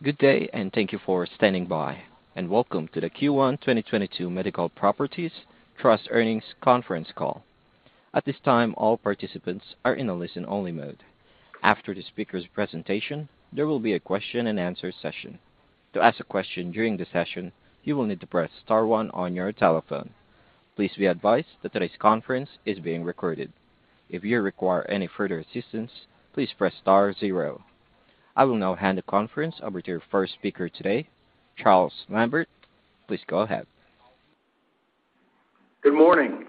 Good day, thank you for standing by, and welcome to the Q1 2022 Medical Properties Trust Earnings Conference Call. At this time, all participants are in a listen-only mode. After the speaker's presentation, there will be a question-and-answer session. To ask a question during the session, you will need to press star one on your telephone. Please be advised that today's conference is being recorded. If you require any further assistance, please press star zero. I will now hand the conference over to your first speaker today, Charles Lambert. Please go ahead. Good morning.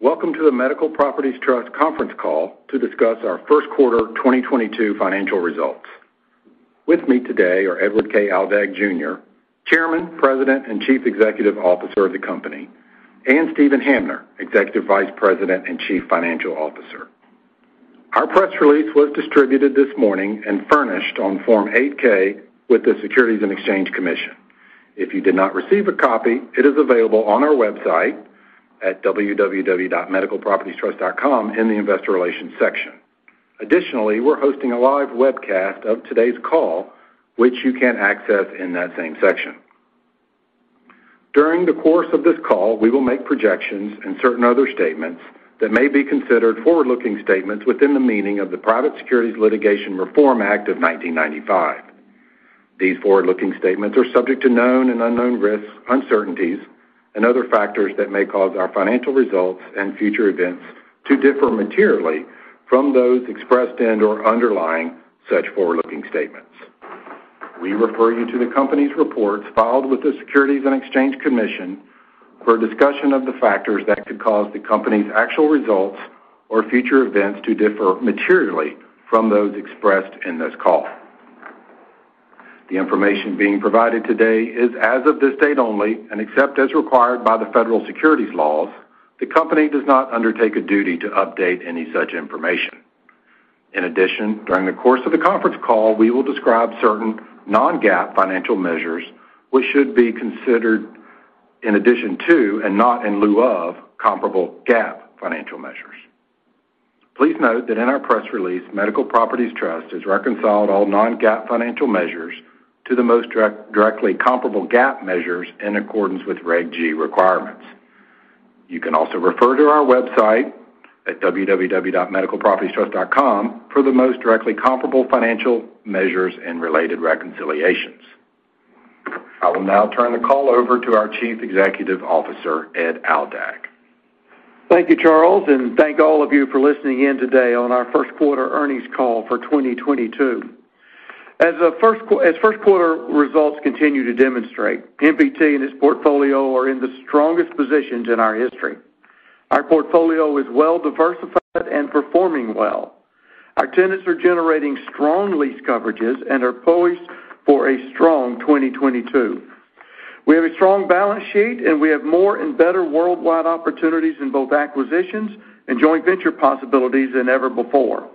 Welcome to the Medical Properties Trust Conference Call to discuss our First Quarter 2022 Financial Results. With me today are Edward K. Aldag Jr., Chairman, President, and Chief Executive Officer of the company, and Steven Hamner, Executive Vice President and Chief Financial Officer. Our press release was distributed this morning and furnished on Form 8-K with the Securities and Exchange Commission. If you did not receive a copy, it is available on our website at www.medicalpropertiestrust.com in the investor relations section. Additionally, we're hosting a live webcast of today's call, which you can access in that same section. During the course of this call, we will make projections and certain other statements that may be considered forward-looking statements within the meaning of the Private Securities Litigation Reform Act of 1995. These forward-looking statements are subject to known and unknown risks, uncertainties, and other factors that may cause our financial results and future events to differ materially from those expressed in or underlying such forward-looking statements. We refer you to the company's reports filed with the Securities and Exchange Commission for a discussion of the factors that could cause the company's actual results or future events to differ materially from those expressed in this call. The information being provided today is as of this date only, and except as required by the federal securities laws, the company does not undertake a duty to update any such information. In addition, during the course of the conference call, we will describe certain non-GAAP financial measures which should be considered in addition to and not in lieu of comparable GAAP financial measures. Please note that in our press release, Medical Properties Trust has reconciled all non-GAAP financial measures to the most directly comparable GAAP measures in accordance with Reg G requirements. You can also refer to our website at www.medicalpropertiestrust.com for the most directly comparable financial measures and related reconciliations. I will now turn the call over to our Chief Executive Officer, Ed Aldag. Thank you, Charles, and thank all of you for listening in today on our first quarter earnings call for 2022. As first quarter results continue to demonstrate, MPT and its portfolio are in the strongest positions in our history. Our portfolio is well-diversified and performing well. Our tenants are generating strong lease coverages and are poised for a strong 2022. We have a strong balance sheet, and we have more and better worldwide opportunities in both acquisitions and joint venture possibilities than ever before.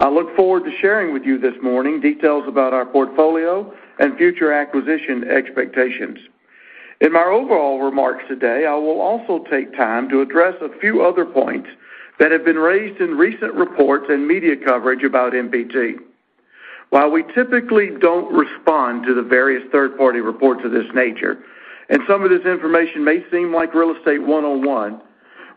I look forward to sharing with you this morning details about our portfolio and future acquisition expectations. In my overall remarks today, I will also take time to address a few other points that have been raised in recent reports and media coverage about MPT. While we typically don't respond to the various third-party reports of this nature, and some of this information may seem like real estate 101,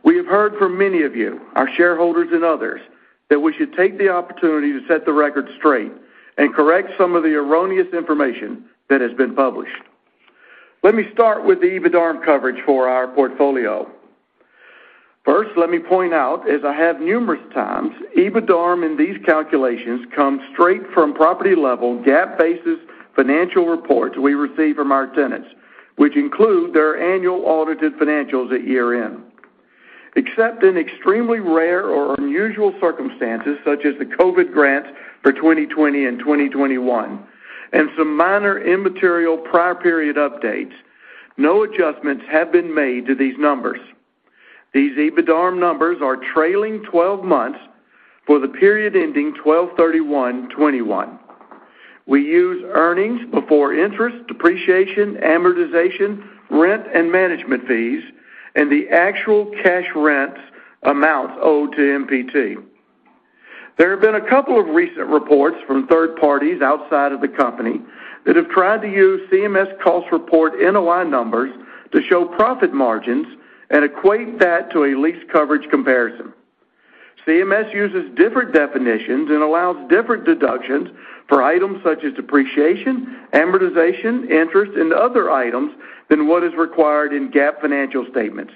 we have heard from many of you, our shareholders and others, that we should take the opportunity to set the record straight and correct some of the erroneous information that has been published. Let me start with the EBITDARM coverage for our portfolio. First, let me point out, as I have numerous times, EBITDARM in these calculations come straight from property-level GAAP-basis financial reports we receive from our tenants, which include their annual audited financials at year-end. Except in extremely rare or unusual circumstances, such as the COVID grants for 2020 and 2021, and some minor immaterial prior period updates, no adjustments have been made to these numbers. These EBITDARM numbers are trailing twelve months for the period ending 12/31/2021. We use earnings before interest, depreciation, amortization, rent, and management fees, and the actual cash rents amounts owed to MPT. There have been a couple of recent reports from third parties outside of the company that have tried to use CMS cost report NOI numbers to show profit margins and equate that to a lease coverage comparison. CMS uses different definitions and allows different deductions for items such as depreciation, amortization, interest, and other items than what is required in GAAP financial statements.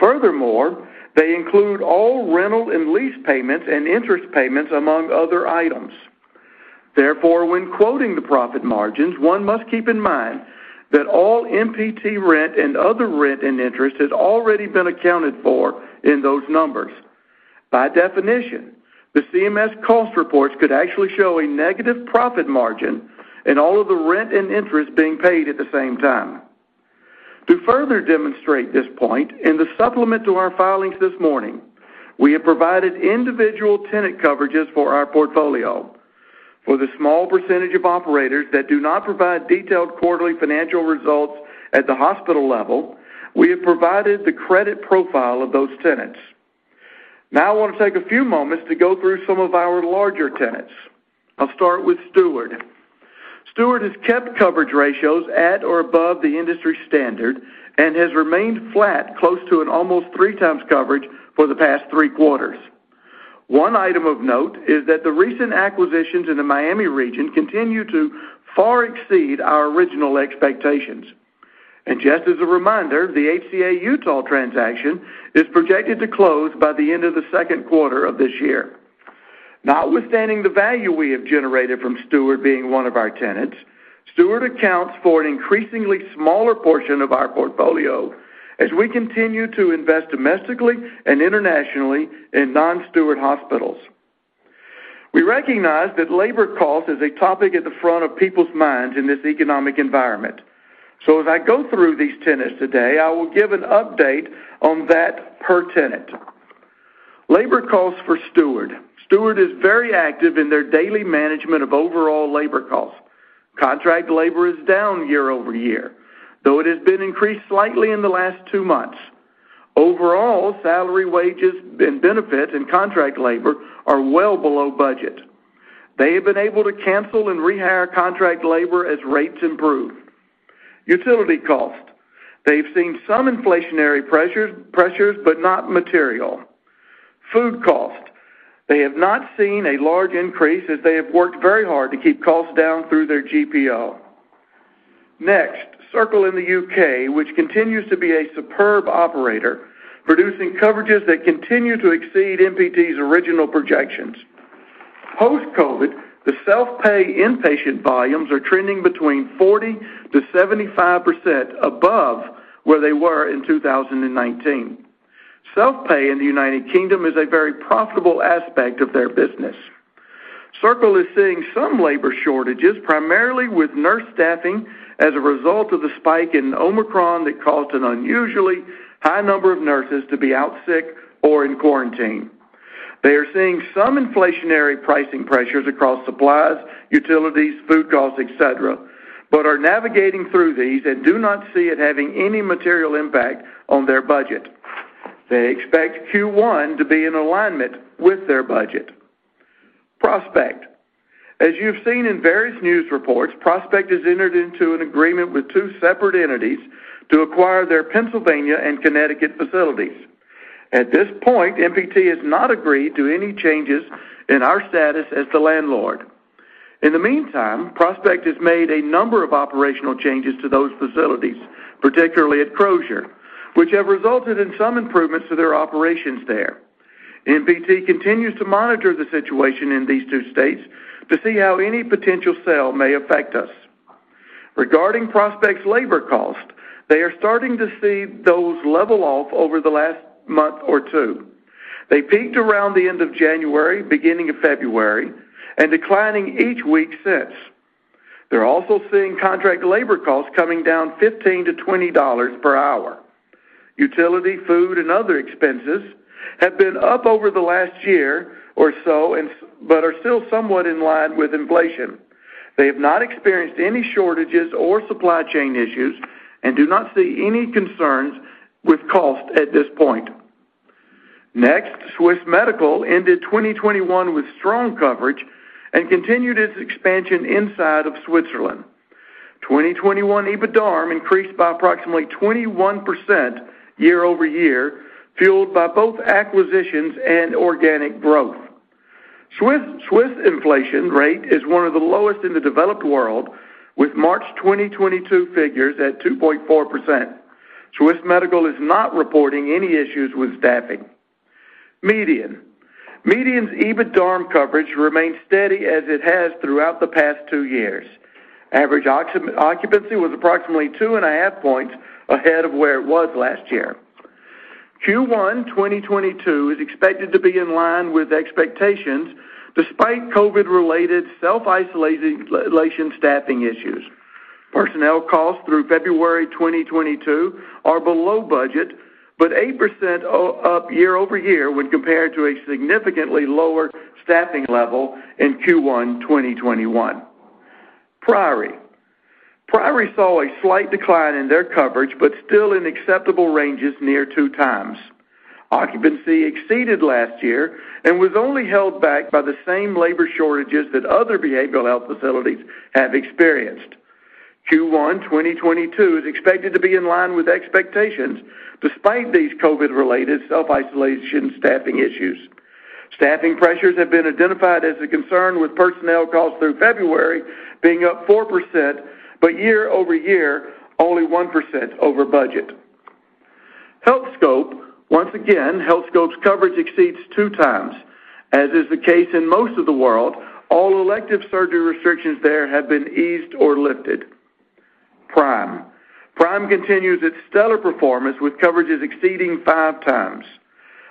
Furthermore, they include all rental and lease payments and interest payments, among other items. Therefore, when quoting the profit margins, one must keep in mind that all MPT rent and other rent and interest has already been accounted for in those numbers. By definition, the CMS cost reports could actually show a negative profit margin and all of the rent and interest being paid at the same time. To further demonstrate this point, in the supplement to our filings this morning, we have provided individual tenant coverages for our portfolio. For the small percentage of operators that do not provide detailed quarterly financial results at the hospital level, we have provided the credit profile of those tenants. Now I want to take a few moments to go through some of our larger tenants. I'll start with Steward. Steward has kept coverage ratios at or above the industry standard and has remained flat close to an almost 3x coverage for the past three quarters. One item of note is that the recent acquisitions in the Miami region continue to far exceed our original expectations. Just as a reminder, the HCA Utah transaction is projected to close by the end of the second quarter of this year. Notwithstanding the value we have generated from Steward being one of our tenants, Steward accounts for an increasingly smaller portion of our portfolio as we continue to invest domestically and internationally in non-Steward hospitals. We recognize that labor cost is a topic at the front of people's minds in this economic environment. As I go through these tenants today, I will give an update on that per tenant. Labor costs for Steward. Steward is very active in their daily management of overall labor costs. Contract labor is down year-over-year, though it has been increased slightly in the last two months. Overall, salary, wages, and benefits and contract labor are well below budget. They have been able to cancel and rehire contract labor as rates improve. Utility costs. They've seen some inflationary pressures but not material. Food cost. They have not seen a large increase as they have worked very hard to keep costs down through their GPO. Next, Circle in the UK, which continues to be a superb operator, producing coverages that continue to exceed MPT's original projections. Post-COVID, the self-pay inpatient volumes are trending between 40%-75% above where they were in 2019. Self-pay in the United Kingdom is a very profitable aspect of their business. Circle is seeing some labor shortages, primarily with nurse staffing as a result of the spike in Omicron that caused an unusually high number of nurses to be out sick or in quarantine. They are seeing some inflationary pricing pressures across supplies, utilities, food costs, et cetera, but are navigating through these and do not see it having any material impact on their budget. They expect Q1 to be in alignment with their budget. Prospect. As you've seen in various news reports, Prospect has entered into an agreement with two separate entities to acquire their Pennsylvania and Connecticut facilities. At this point, MPT has not agreed to any changes in our status as the landlord. In the meantime, Prospect has made a number of operational changes to those facilities, particularly at Crozer, which have resulted in some improvements to their operations there. MPT continues to monitor the situation in these two states to see how any potential sale may affect us. Regarding Prospect's labor cost, they are starting to see those level off over the last month or two. They peaked around the end of January, beginning of February, and declining each week since. They're also seeing contract labor costs coming down $15-$20 per hour. Utility, food, and other expenses have been up over the last year or so, and but are still somewhat in line with inflation. They have not experienced any shortages or supply chain issues and do not see any concerns with cost at this point. Next, Swiss Medical ended 2021 with strong coverage and continued its expansion inside of Switzerland. 2021 EBITDARM increased by approximately 21% year-over-year, fueled by both acquisitions and organic growth. Swiss inflation rate is one of the lowest in the developed world with March 2022 figures at 2.4%. Swiss Medical is not reporting any issues with staffing. MEDIAN. MEDIAN's EBITDARM coverage remains steady as it has throughout the past two years. Average occupancy was approximately 2.5 points ahead of where it was last year. Q1 2022 is expected to be in line with expectations despite COVID-related self-isolation staffing issues. Personnel costs through February 2022 are below budget, but 8% up year-over-year when compared to a significantly lower staffing level in Q1 2021. Priory. Priory saw a slight decline in their coverage, but still in acceptable ranges near 2x. Occupancy exceeded last year and was only held back by the same labor shortages that other behavioral health facilities have experienced. Q1 2022 is expected to be in line with expectations despite these COVID-related self-isolation staffing issues. Staffing pressures have been identified as a concern with personnel costs through February being up 4%, but year-over-year, only 1% over budget. Healthscope. Once again, Healthscope's coverage exceeds 2x. As is the case in most of the world, all elective surgery restrictions there have been eased or lifted. Prime. Prime continues its stellar performance with coverages exceeding 5x.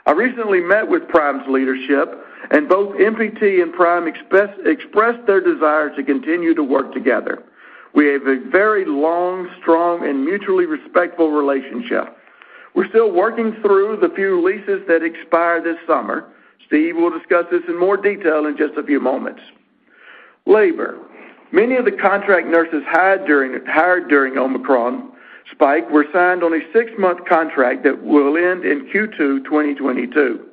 I recently met with Prime's leadership and both MPT and Prime expressed their desire to continue to work together. We have a very long, strong, and mutually respectful relationship. We're still working through the few leases that expire this summer. Steve will discuss this in more detail in just a few moments. Labor. Many of the contract nurses hired during Omicron spike were signed on a six-month contract that will end in Q2 2022.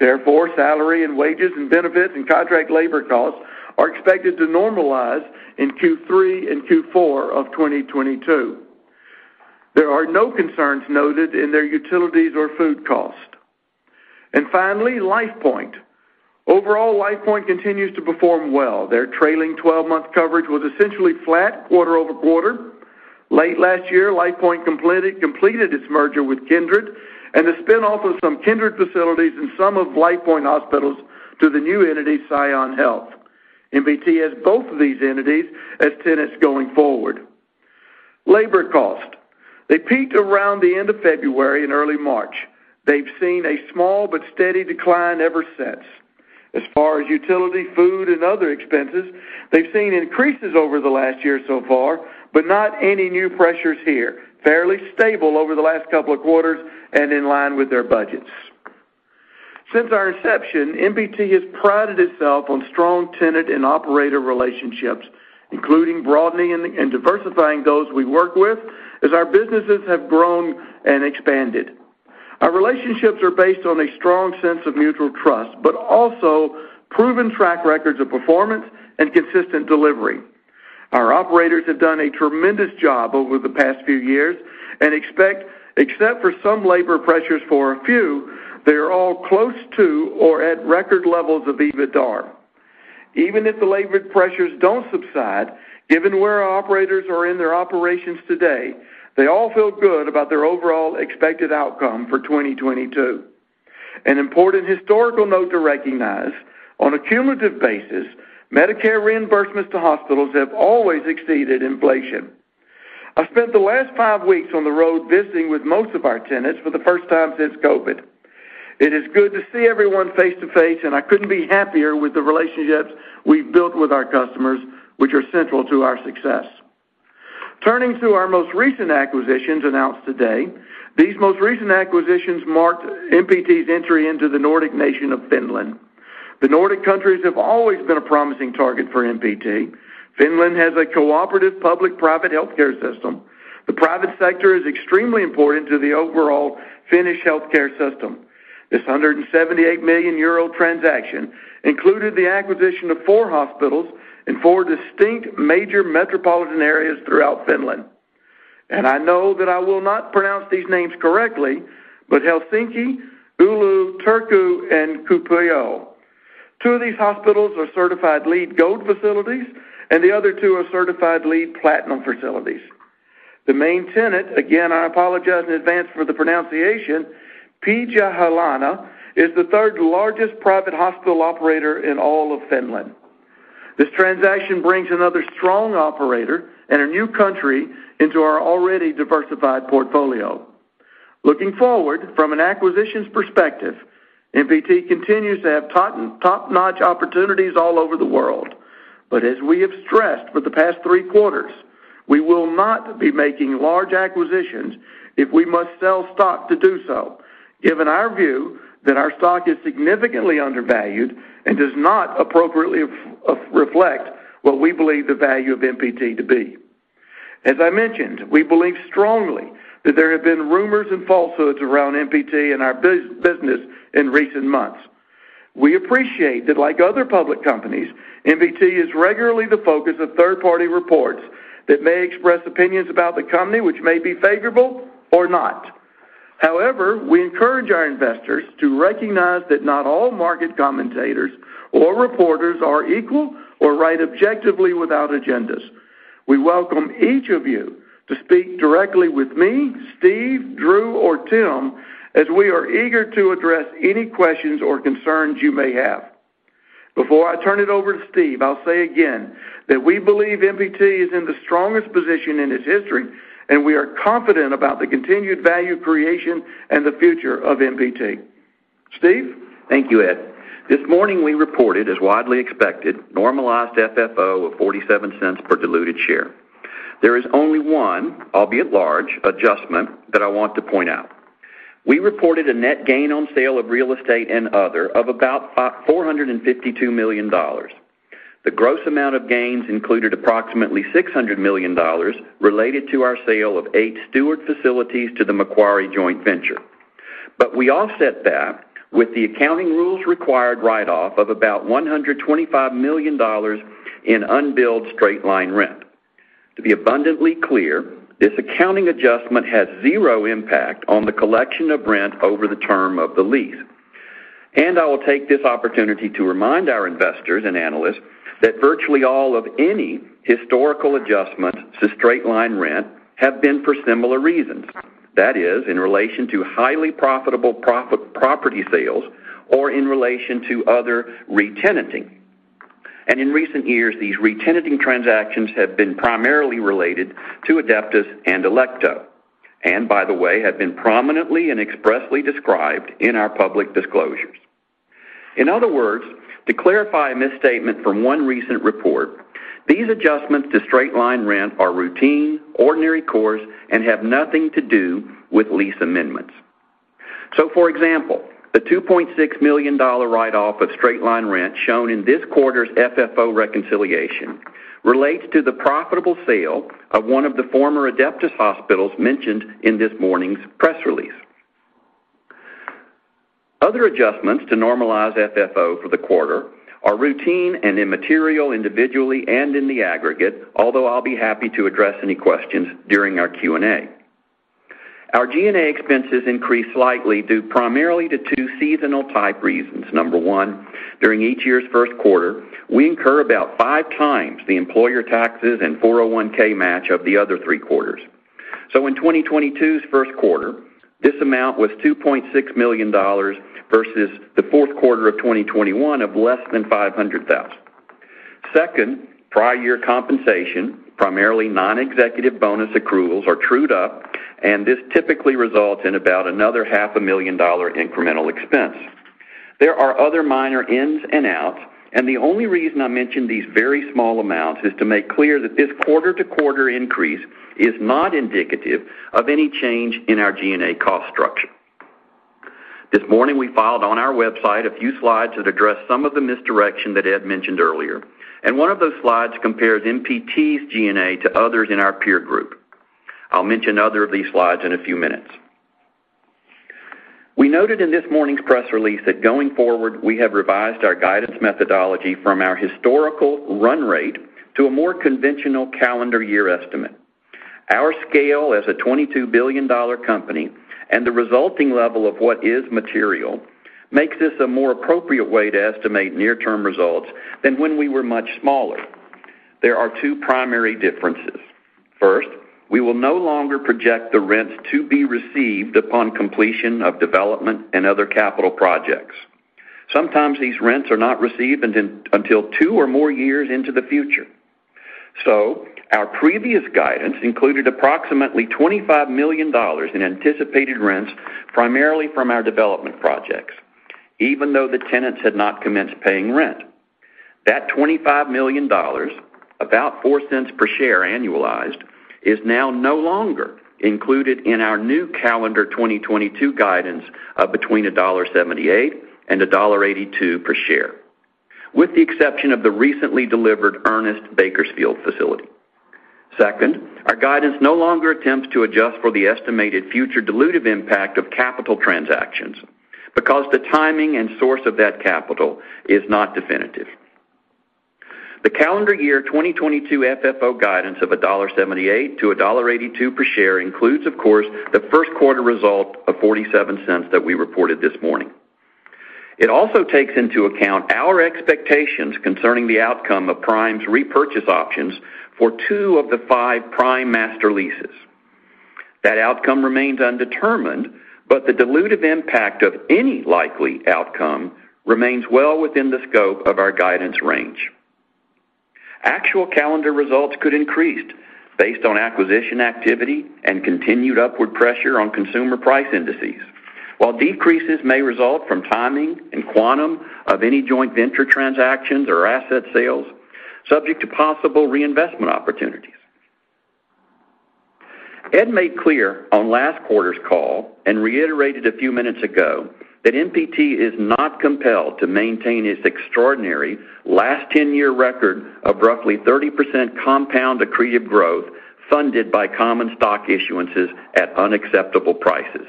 Therefore, salary and wages and benefits and contract labor costs are expected to normalize in Q3 and Q4 of 2022. There are no concerns noted in their utilities or food cost. Finally, LifePoint. Overall, LifePoint continues to perform well. Their trailing twelve-month coverage was essentially flat quarter-over-quarter. Late last year, LifePoint completed its merger with Kindred, and the spin-off of some Kindred facilities and some of LifePoint hospitals to the new entity, ScionHealth. MPT has both of these entities as tenants going forward. Labor cost. They peaked around the end of February and early March. They've seen a small but steady decline ever since. As far as utility, food, and other expenses, they've seen increases over the last year so far, but not any new pressures here. Fairly stable over the last couple of quarters and in line with their budgets. Since our inception, MPT has prided itself on strong tenant and operator relationships, including broadening and diversifying those we work with as our businesses have grown and expanded. Our relationships are based on a strong sense of mutual trust, but also proven track records of performance and consistent delivery. Our operators have done a tremendous job over the past few years and except for some labor pressures for a few, they are all close to or at record levels of EBITDAR. Even if the labor pressures don't subside, given where our operators are in their operations today, they all feel good about their overall expected outcome for 2022. An important historical note to recognize, on a cumulative basis, Medicare reimbursements to hospitals have always exceeded inflation. I spent the last five weeks on the road visiting with most of our tenants for the first time since COVID. It is good to see everyone face to face, and I couldn't be happier with the relationships we've built with our customers, which are central to our success. Turning to our most recent acquisitions announced today, these most recent acquisitions marked MPT's entry into the Nordic nation of Finland. The Nordic countries have always been a promising target for MPT. Finland has a cooperative public-private healthcare system. The private sector is extremely important to the overall Finnish healthcare system. This 178 million euro transaction included the acquisition of four hospitals in four distinct major metropolitan areas throughout Finland. I know that I will not pronounce these names correctly, but Helsinki, Oulu, Turku, and Kuopio. Two of these hospitals are certified LEED Gold facilities, and the other two are certified LEED Platinum facilities. The main tenant, again, I apologize in advance for the pronunciation, Pihlajalinna, is the third-largest private hospital operator in all of Finland. This transaction brings another strong operator and a new country into our already diversified portfolio. Looking forward, from an acquisitions perspective, MPT continues to have top-notch opportunities all over the world. As we have stressed for the past three quarters, we will not be making large acquisitions if we must sell stock to do so, given our view that our stock is significantly undervalued and does not appropriately reflect what we believe the value of MPT to be. As I mentioned, we believe strongly that there have been rumors and falsehoods around MPT and our business in recent months. We appreciate that like other public companies, MPT is regularly the focus of third-party reports that may express opinions about the company which may be favorable or not. However, we encourage our investors to recognize that not all market commentators or reporters are equal or write objectively without agendas. We welcome each of you to speak directly with me, Steve, Drew, or Tim, as we are eager to address any questions or concerns you may have. Before I turn it over to Steve, I'll say again that we believe MPT is in the strongest position in its history, and we are confident about the continued value creation and the future of MPT. Steve? Thank you, Ed. This morning, we reported, as widely expected, normalized FFO of $0.47 per diluted share. There is only one, albeit large, adjustment that I want to point out. We reported a net gain on sale of real estate and other of about $452 million. The gross amount of gains included approximately $600 million related to our sale of eight Steward facilities to the Macquarie joint venture. But we offset that with the accounting rules required write-off of about $125 million in unbilled straight-line rent. To be abundantly clear, this accounting adjustment has zero impact on the collection of rent over the term of the lease. I will take this opportunity to remind our investors and analysts that virtually all of any historical adjustments to straight-line rent have been for similar reasons. That is, in relation to highly profitable property sales or in relation to other retenanting. In recent years, these retenanting transactions have been primarily related to Adeptus and Elekta. By the way, have been prominently and expressly described in our public disclosures. In other words, to clarify a misstatement from one recent report, these adjustments to straight-line rent are routine, ordinary course, and have nothing to do with lease amendments. For example, the $2.6 million write-off of straight-line rent shown in this quarter's FFO reconciliation relates to the profitable sale of one of the former Adeptus hospitals mentioned in this morning's press release. Other adjustments to normalize FFO for the quarter are routine and immaterial individually and in the aggregate, although I'll be happy to address any questions during our Q&A. Our G&A expenses increased slightly due primarily to two seasonal type reasons. Number one, during each year's first quarter, we incur about 5x the employer taxes and 401(k) match of the other three quarters. In 2022's first quarter, this amount was $2.6 million versus the fourth quarter of 2021 of less than $500,000. Second, prior year compensation, primarily non-executive bonus accruals are trued up, and this typically results in about another half a million dollar incremental expense. There are other minor ins and outs, and the only reason I mention these very small amounts is to make clear that this quarter-to-quarter increase is not indicative of any change in our G&A cost structure. This morning, we filed on our website a few slides that address some of the misdirection that Ed mentioned earlier, and one of those slides compares MPT's G&A to others in our peer group. I'll mention other of these slides in a few minutes. We noted in this morning's press release that going forward, we have revised our guidance methodology from our historical run rate to a more conventional calendar year estimate. Our scale as a $22 billion company and the resulting level of what is material makes this a more appropriate way to estimate near-term results than when we were much smaller. There are two primary differences. First, we will no longer project the rents to be received upon completion of development and other capital projects. Sometimes these rents are not received until two or more years into the future. Our previous guidance included approximately $25 million in anticipated rents, primarily from our development projects, even though the tenants had not commenced paying rent. That $25 million, about $0.04 per share annualized, is now no longer included in our new calendar year 2022 guidance of between $1.78 and $1.82 per share, with the exception of the recently delivered Ernest Bakersfield facility. Second, our guidance no longer attempts to adjust for the estimated future dilutive impact of capital transactions because the timing and source of that capital is not definitive. The calendar year 2022 FFO guidance of $1.78-$1.82 per share includes, of course, the first quarter result of $0.47 that we reported this morning. It also takes into account our expectations concerning the outcome of Prime's repurchase options for two of the five Prime master leases. That outcome remains undetermined, but the dilutive impact of any likely outcome remains well within the scope of our guidance range. Actual calendar results could increase based on acquisition activity and continued upward pressure on consumer price indices, while decreases may result from timing and quantum of any joint venture transactions or asset sales subject to possible reinvestment opportunities. Ed made clear on last quarter's call, and reiterated a few minutes ago that MPT is not compelled to maintain its extraordinary last 10-year record of roughly 30% compound accretive growth funded by common stock issuances at unacceptable prices.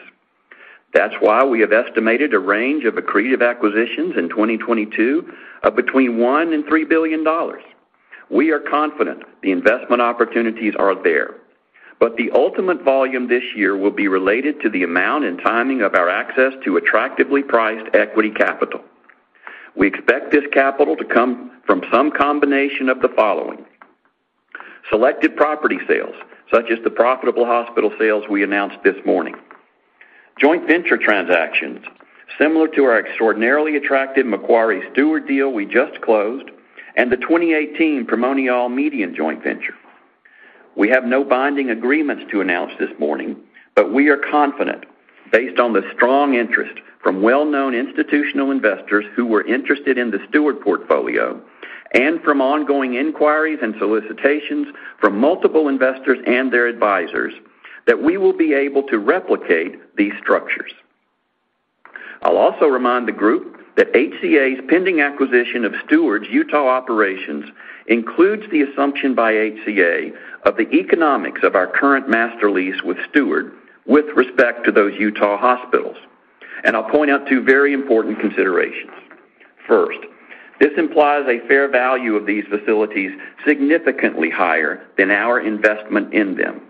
That's why we have estimated a range of accretive acquisitions in 2022 of between $1 billion and $3 billion. We are confident the investment opportunities are there, but the ultimate volume this year will be related to the amount and timing of our access to attractively priced equity capital. We expect this capital to come from some combination of the following. Selected property sales, such as the profitable hospital sales we announced this morning. Joint venture transactions similar to our extraordinarily attractive Macquarie Steward deal we just closed and the 2018 Primonial MEDIAN joint venture. We have no binding agreements to announce this morning, but we are confident based on the strong interest from well-known institutional investors who were interested in the Steward portfolio and from ongoing inquiries and solicitations from multiple investors and their advisors, that we will be able to replicate these structures. I'll also remind the group that HCA's pending acquisition of Steward's Utah operations includes the assumption by HCA of the economics of our current master lease with Steward with respect to those Utah hospitals. I'll point out two very important considerations. First, this implies a fair value of these facilities significantly higher than our investment in them.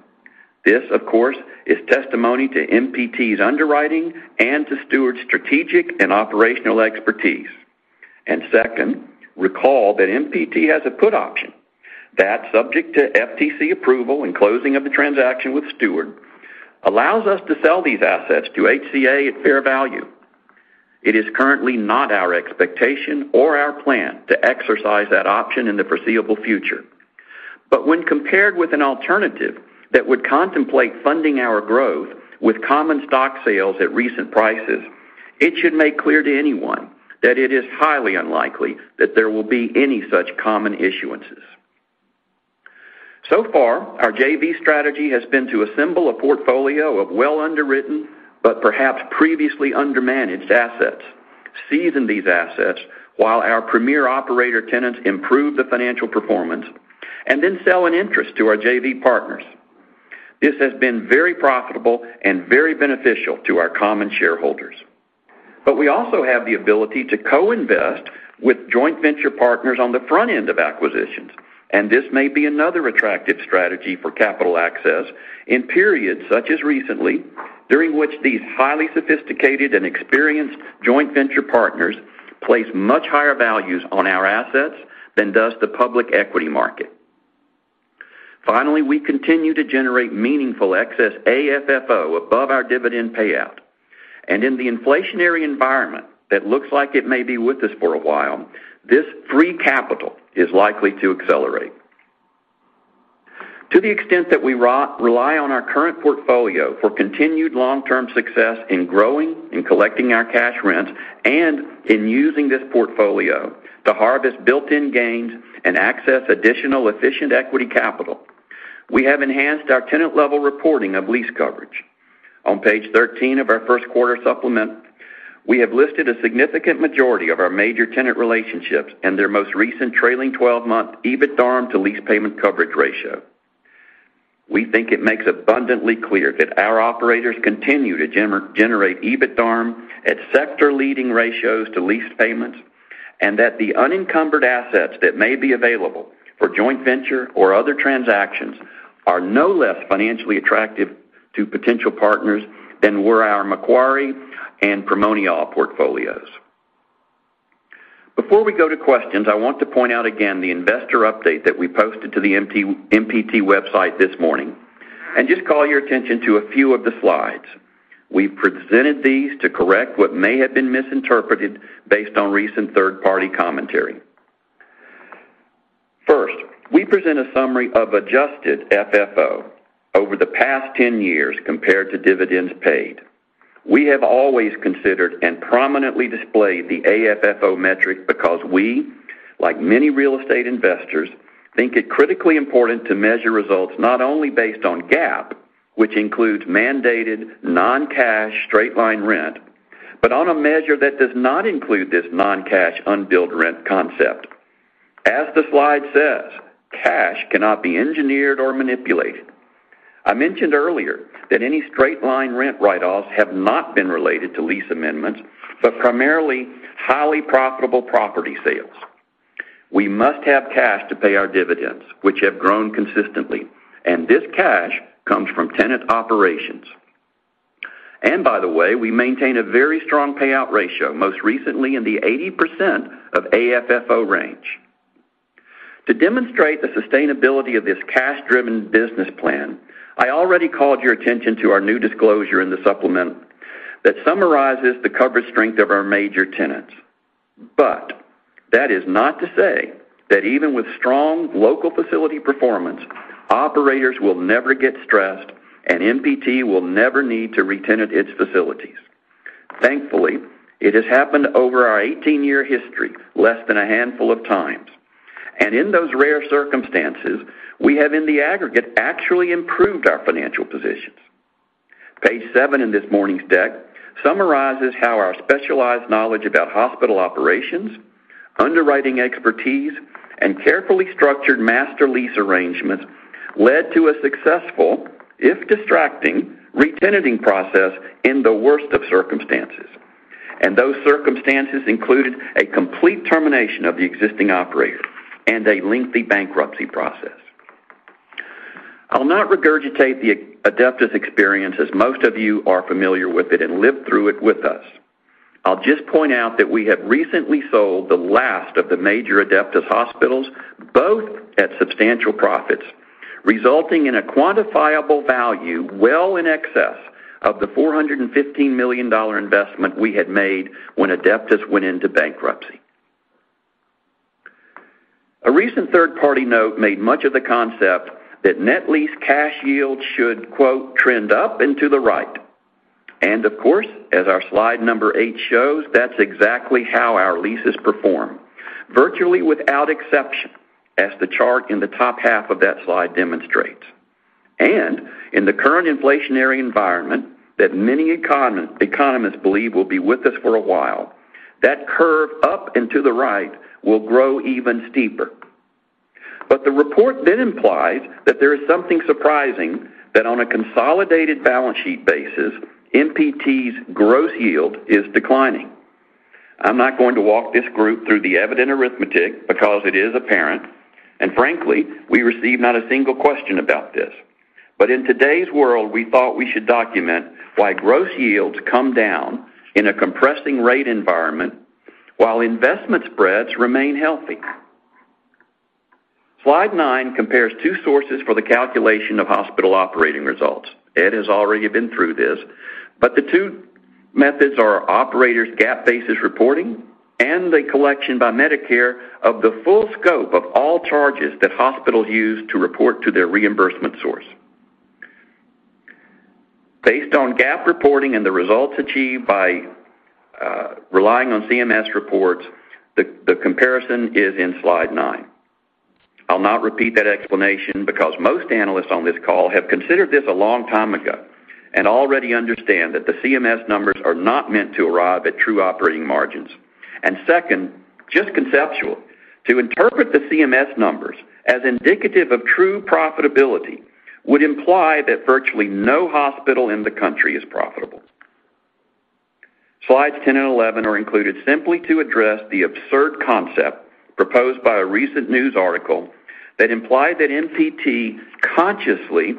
This, of course, is testimony to MPT's underwriting and to Steward's strategic and operational expertise. Second, recall that MPT has a put option. That, subject to FTC approval and closing of the transaction with Steward, allows us to sell these assets to HCA at fair value. It is currently not our expectation or our plan to exercise that option in the foreseeable future. But when compared with an alternative that would contemplate funding our growth with common stock sales at recent prices, it should make clear to anyone that it is highly unlikely that there will be any such common issuances. Our JV strategy has been to assemble a portfolio of well underwritten, but perhaps previously undermanaged assets, season these assets while our premier operator tenants improve the financial performance, and then sell an interest to our JV partners. This has been very profitable and very beneficial to our common shareholders. We also have the ability to co-invest with joint venture partners on the front end of acquisitions, and this may be another attractive strategy for capital access in periods, such as recently, during which these highly sophisticated and experienced joint venture partners place much higher values on our assets than does the public equity market. Finally, we continue to generate meaningful excess AFFO above our dividend payout. In the inflationary environment that looks like it may be with us for a while, this free capital is likely to accelerate. To the extent that we rely on our current portfolio for continued long-term success in growing and collecting our cash rents and in using this portfolio to harvest built-in gains and access additional efficient equity capital, we have enhanced our tenant-level reporting of lease coverage. On page 13 of our first quarter supplement, we have listed a significant majority of our major tenant relationships and their most recent trailing 12-month EBITDARM to leased payment coverage ratio. We think it makes abundantly clear that our operators continue to generate EBITDARM at sector leading ratios to lease payments, and that the unencumbered assets that may be available for joint venture or other transactions are no less financially attractive to potential partners than were our Macquarie and Primonial portfolios. Before we go to questions, I want to point out again the investor update that we posted to the MPT website this morning and just call your attention to a few of the slides. We presented these to correct what may have been misinterpreted based on recent third-party commentary. First, we present a summary of adjusted FFO over the past 10 years compared to dividends paid. We have always considered and prominently displayed the AFFO metric because we, like many real estate investors, think it critically important to measure results not only based on GAAP, which includes mandated non-cash straight-line rent, but on a measure that does not include this non-cash unbilled rent concept. As the slide says, cash cannot be engineered or manipulated. I mentioned earlier that any straight-line rent write-offs have not been related to lease amendments, but primarily highly profitable property sales. We must have cash to pay our dividends, which have grown consistently, and this cash comes from tenant operations. By the way, we maintain a very strong payout ratio, most recently in the 80% of AFFO range. To demonstrate the sustainability of this cash-driven business plan, I already called your attention to our new disclosure in the supplement that summarizes the coverage strength of our major. But that is not to say that even with strong local facility performance, operators will never get stressed and MPT will never need to retenant its facilities. Thankfully, it has happened over our 18-year history less than a handful of times. In those rare circumstances, we have, in the aggregate, actually improved our financial positions. Page seven in this morning's deck summarizes how our specialized knowledge about hospital operations, underwriting expertise, and carefully structured master lease arrangements led to a successful, if distracting, retenanting process in the worst of circumstances. Those circumstances included a complete termination of the existing operator and a lengthy bankruptcy process. I'll not regurgitate the Adeptus experience as most of you are familiar with it and lived through it with us. I'll just point out that we have recently sold the last of the major Adeptus hospitals, both at substantial profits, resulting in a quantifiable value well in excess of the $415 million investment we had made when Adeptus went into bankruptcy. A recent third-party note made much of the concept that net lease cash yield should, quote, trend up and to the right. Of course, as our slide number eight shows, that's exactly how our leases perform, virtually without exception, as the chart in the top half of that slide demonstrates. In the current inflationary environment that many economists believe will be with us for a while, that curve up and to the right will grow even steeper. The report then implies that there is something surprising that on a consolidated balance sheet basis, MPT's gross yield is declining. I'm not going to walk this group through the evident arithmetic because it is apparent, and frankly, we receive not a single question about this. In today's world, we thought we should document why gross yields come down in a compressing rate environment while investment spreads remain healthy. Slide nine compares two sources for the calculation of hospital operating results. Ed has already been through this, but the two methods are operators GAAP basis reporting and the collection by Medicare of the full scope of all charges that hospitals use to report to their reimbursement source. Based on GAAP reporting and the results achieved by relying on CMS reports, the comparison is in slide nine. I'll not repeat that explanation because most analysts on this call have considered this a long time ago and already understand that the CMS numbers are not meant to arrive at true operating margins. Second, just conceptual, to interpret the CMS numbers as indicative of true profitability would imply that virtually no hospital in the country is profitable. Slides 10 and 11 are included simply to address the absurd concept proposed by a recent news article that implied that MPT consciously,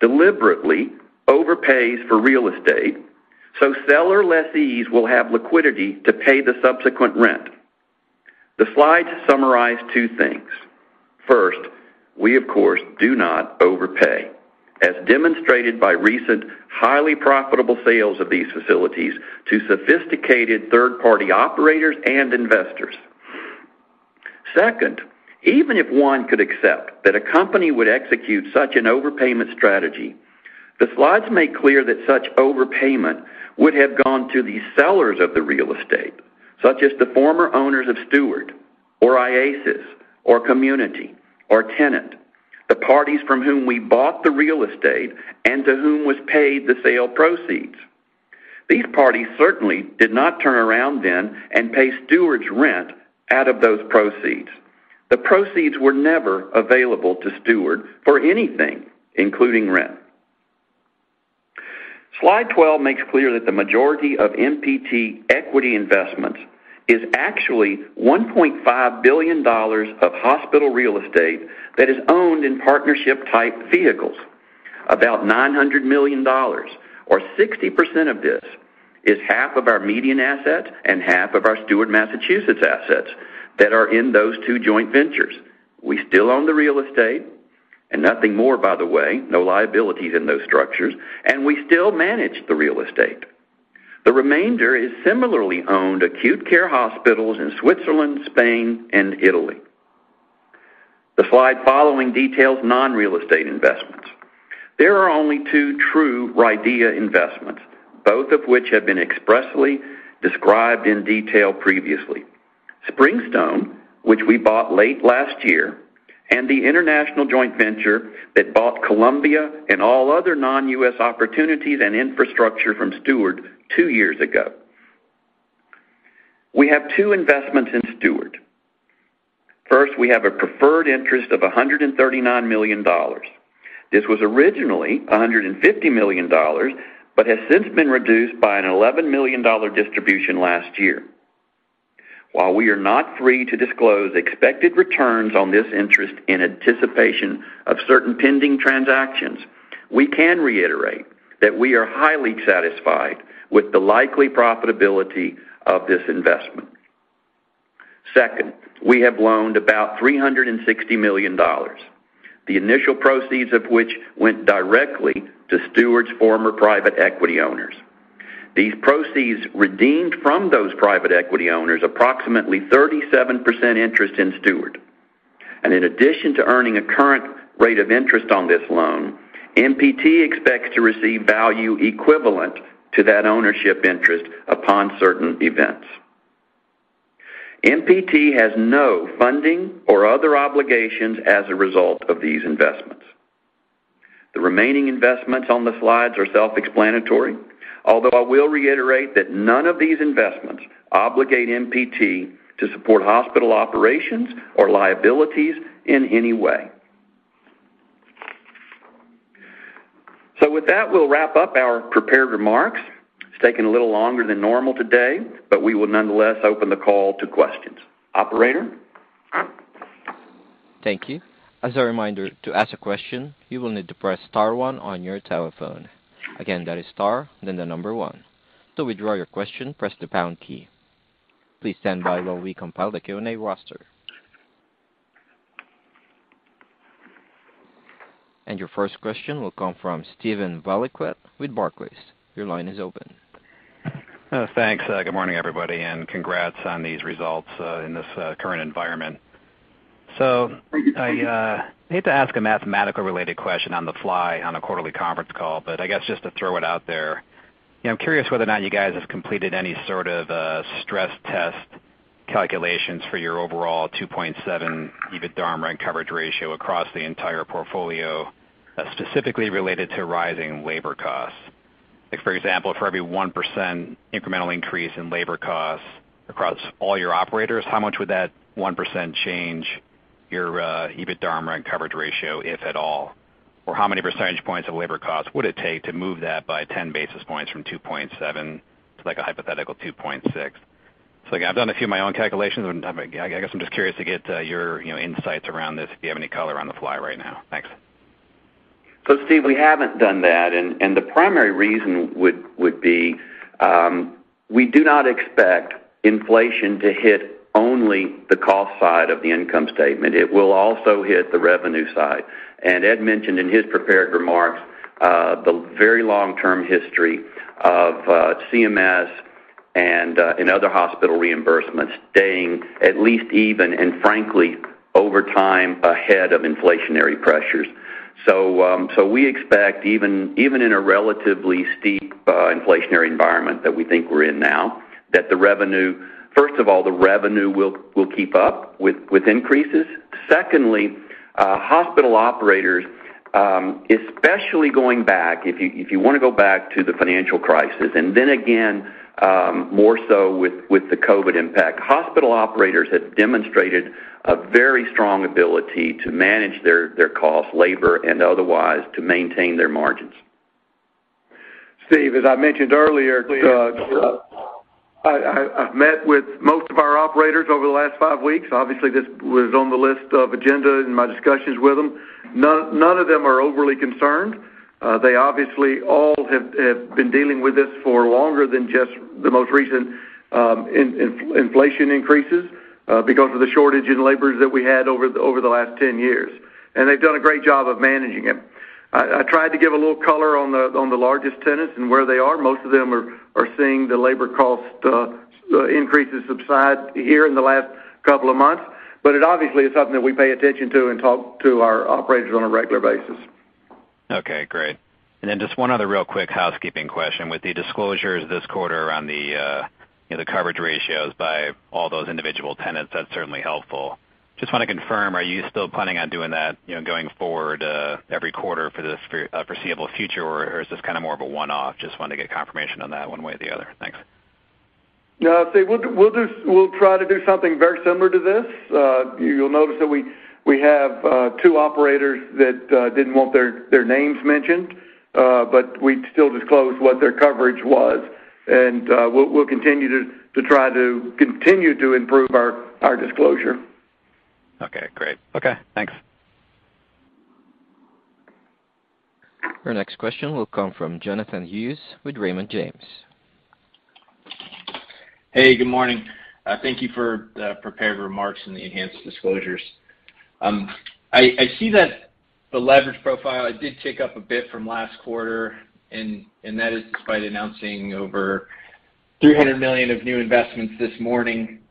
deliberately overpays for real estate so seller lessees will have liquidity to pay the subsequent rent. The slides summarize two things. First, we of course do not overpay, as demonstrated by recent highly profitable sales of these facilities to sophisticated third-party operators and investors. Second, even if one could accept that a company would execute such an overpayment strategy, the slides make clear that such overpayment would have gone to the sellers of the real estate, such as the former owners of Steward or IASIS or Community or Tenet, the parties from whom we bought the real estate and to whom was paid the sale proceeds. These parties certainly did not turn around then and pay Steward's rent out of those proceeds. The proceeds were never available to Steward for anything, including rent. Slide 12 makes clear that the majority of MPT equity investments is actually $1.5 billion of hospital real estate that is owned in partnership type vehicles. About $900 million or 60% of this is half of our MEDIAN assets and half of our Steward Massachusetts assets that are in those two joint ventures. We still own the real estate and nothing more by the way, no liabilities in those structures, and we still manage the real estate. The remainder is similarly owned acute care hospitals in Switzerland, Spain and Italy. The slide following details non-real estate investments. There are only two true RIDEA investments, both of which have been expressly described in detail previously. Springstone, which we bought late last year, and the international joint venture that bought Colombia and all other non-US opportunities and infrastructure from Steward two years ago. We have two investments in Steward. First, we have a preferred interest of $139 million. This was originally $150 million, but has since been reduced by an $11 million distribution last year. While we are not free to disclose expected returns on this interest in anticipation of certain pending transactions, we can reiterate that we are highly satisfied with the likely profitability of this investment. Second, we have loaned about $360 million, the initial proceeds of which went directly to Steward's former private equity owners. These proceeds redeemed from those private equity owners approximately 37% interest in Steward. In addition to earning a current rate of interest on this loan, MPT expects to receive value equivalent to that ownership interest upon certain events. MPT has no funding or other obligations as a result of these investments. The remaining investments on the slides are self-explanatory, although I will reiterate that none of these investments obligate MPT to support hospital operations or liabilities in any way. With that, we'll wrap up our prepared remarks. It's taken a little longer than normal today, but we will nonetheless open the call to questions. Operator? Thank you. As a reminder, to ask a question, you will need to press star one on your telephone. Again, that is star, then the number one. To withdraw your question, press the pound key. Please stand by while we compile the Q&A roster. Your first question will come from Steven Valiquette with Barclays. Your line is open. Thanks. Good morning, everybody, and congrats on these results in this current environment. I hate to ask a mathematically related question on the fly on a quarterly conference call, but I guess just to throw it out there, I'm curious whether or not you guys have completed any sort of stress test calculations for your overall 2.7 EBITDARM rent coverage ratio across the entire portfolio, specifically related to rising labor costs. Like, for example, for every 1% incremental increase in labor costs across all your operators, how much would that 1% change your EBITDARM rent coverage ratio, if at all? Or how many percentage points of labor costs would it take to move that by 10 basis points from 2.7 to, like, a hypothetical 2.6? Like, I've done a few of my own calculations, and I guess I'm just curious to get your, you know, insights around this, if you have any color on the fly right now. Thanks. Steve, we haven't done that. The primary reason would be we do not expect inflation to hit only the cost side of the income statement. It will also hit the revenue side. Ed mentioned in his prepared remarks the very long-term history of CMS and other hospital reimbursements staying at least even, and frankly, over time, ahead of inflationary pressures. We expect even in a relatively steep inflationary environment that we think we're in now that the revenue first of all will keep up with increases. Secondly, hospital operators, especially going back, if you wanna go back to the financial crisis, and then again, more so with the COVID impact, hospital operators have demonstrated a very strong ability to manage their cost, labor, and otherwise to maintain their margins. Steve, as I mentioned earlier, I've met with most of our operators over the last five weeks. Obviously, this was on the list of agenda in my discussions with them. None of them are overly concerned. They obviously all have been dealing with this for longer than just the most recent inflation increases, because of the shortage in labors that we had over the last 10 years. They've done a great job of managing it. I tried to give a little color on the largest tenants and where they are. Most of them are seeing the labor cost increases subside here in the last couple of months. But it obviously is something that we pay attention to and talk to our operators on a regular basis. Okay, great. Just one other real quick housekeeping question. With the disclosures this quarter around the, you know, the coverage ratios by all those individual tenants, that's certainly helpful. Just wanna confirm, are you still planning on doing that, you know, going forward, every quarter for this foreseeable future, or is this kind of more of a one-off? Just wanted to get confirmation on that one way or the other. Thanks. Yeah. See, we'll try to do something very similar to this. You'll notice that we have two operators that didn't want their names mentioned, but we still disclosed what their coverage was. We'll continue to try to improve our disclosure. Okay, great. Okay, thanks. Our next question will come from Jonathan Hughes with Raymond James. Hey, good morning. Thank you for the prepared remarks and the enhanced disclosures. I see that the leverage profile, it did tick up a bit from last quarter, and that is despite announcing over $300 million of new investments this morning.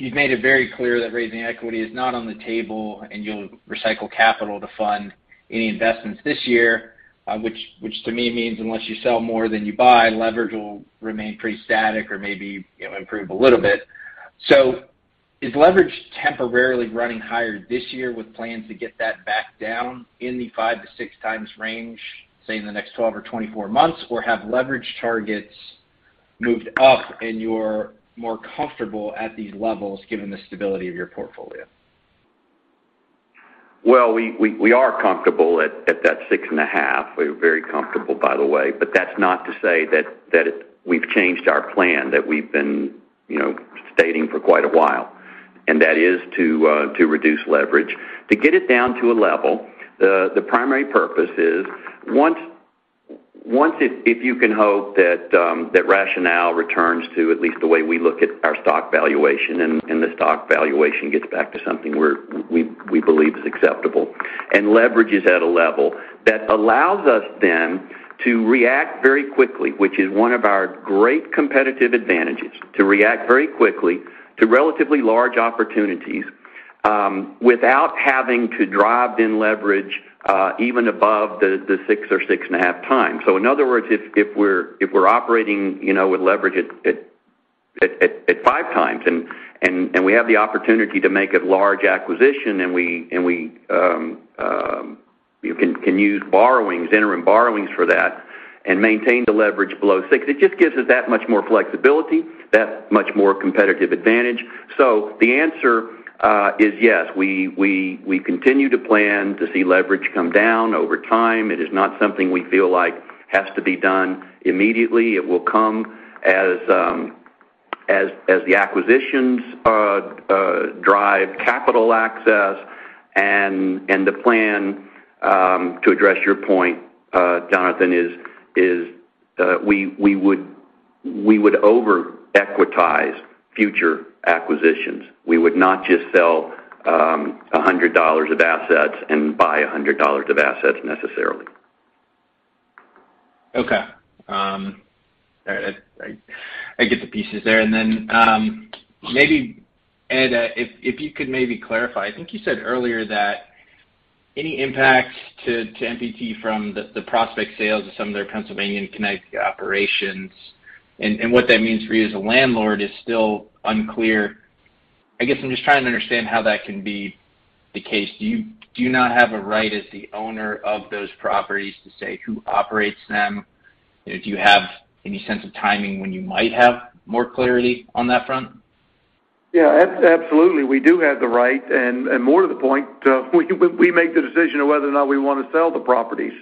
You've made it very clear that raising equity is not on the table and you'll recycle capital to fund any investments this year, which to me means unless you sell more than you buy, leverage will remain pretty static or maybe, you know, improve a little bit. Is leverage temporarily running higher this year with plans to get that back down in the 5-6x range, say, in the next 12 or 24 months? Or have leverage targets moved up and you're more comfortable at these levels given the stability of your portfolio? Well, we are comfortable at that 6.5. We're very comfortable, by the way. But that's not to say that we've changed our plan that we've been, you know, stating for quite a while, and that is to reduce leverage. To get it down to a level, the primary purpose is once it. If you can hope that rationale returns to at least the way we look at our stock valuation and the stock valuation gets back to something where we believe is acceptable, and leverage is at a level that allows us then to react very quickly, which is one of our great competitive advantages, to react very quickly to relatively large opportunities, without having to drive in leverage, even above the six or 6.5x. In other words, if we're operating, you know, with leverage at 5x, and we have the opportunity to make a large acquisition, and we can use borrowings, interim borrowings for that and maintain the leverage below 6x, it just gives us that much more flexibility, that much more competitive advantage. The answer is yes. We continue to plan to see leverage come down over time. It is not something we feel like has to be done immediately. It will come as the acquisitions drive capital access. The plan to address your point, Jonathan, is we would over-equitize future acquisitions. We would not just sell $100 of assets and buy $100 of assets necessarily. Okay. All right. I get the pieces there. Maybe, Ed, if you could maybe clarify. I think you said earlier that any impact to MPT from the Prospect sales to some of their Pennsylvania and Connecticut operations and what that means for you as a landlord is still unclear. I guess I'm just trying to understand how that can be the case. Do you not have a right as the owner of those properties to say who operates them? Do you have any sense of timing when you might have more clarity on that front? Yeah. Absolutely, we do have the right. More to the point, we make the decision of whether or not we wanna sell the properties.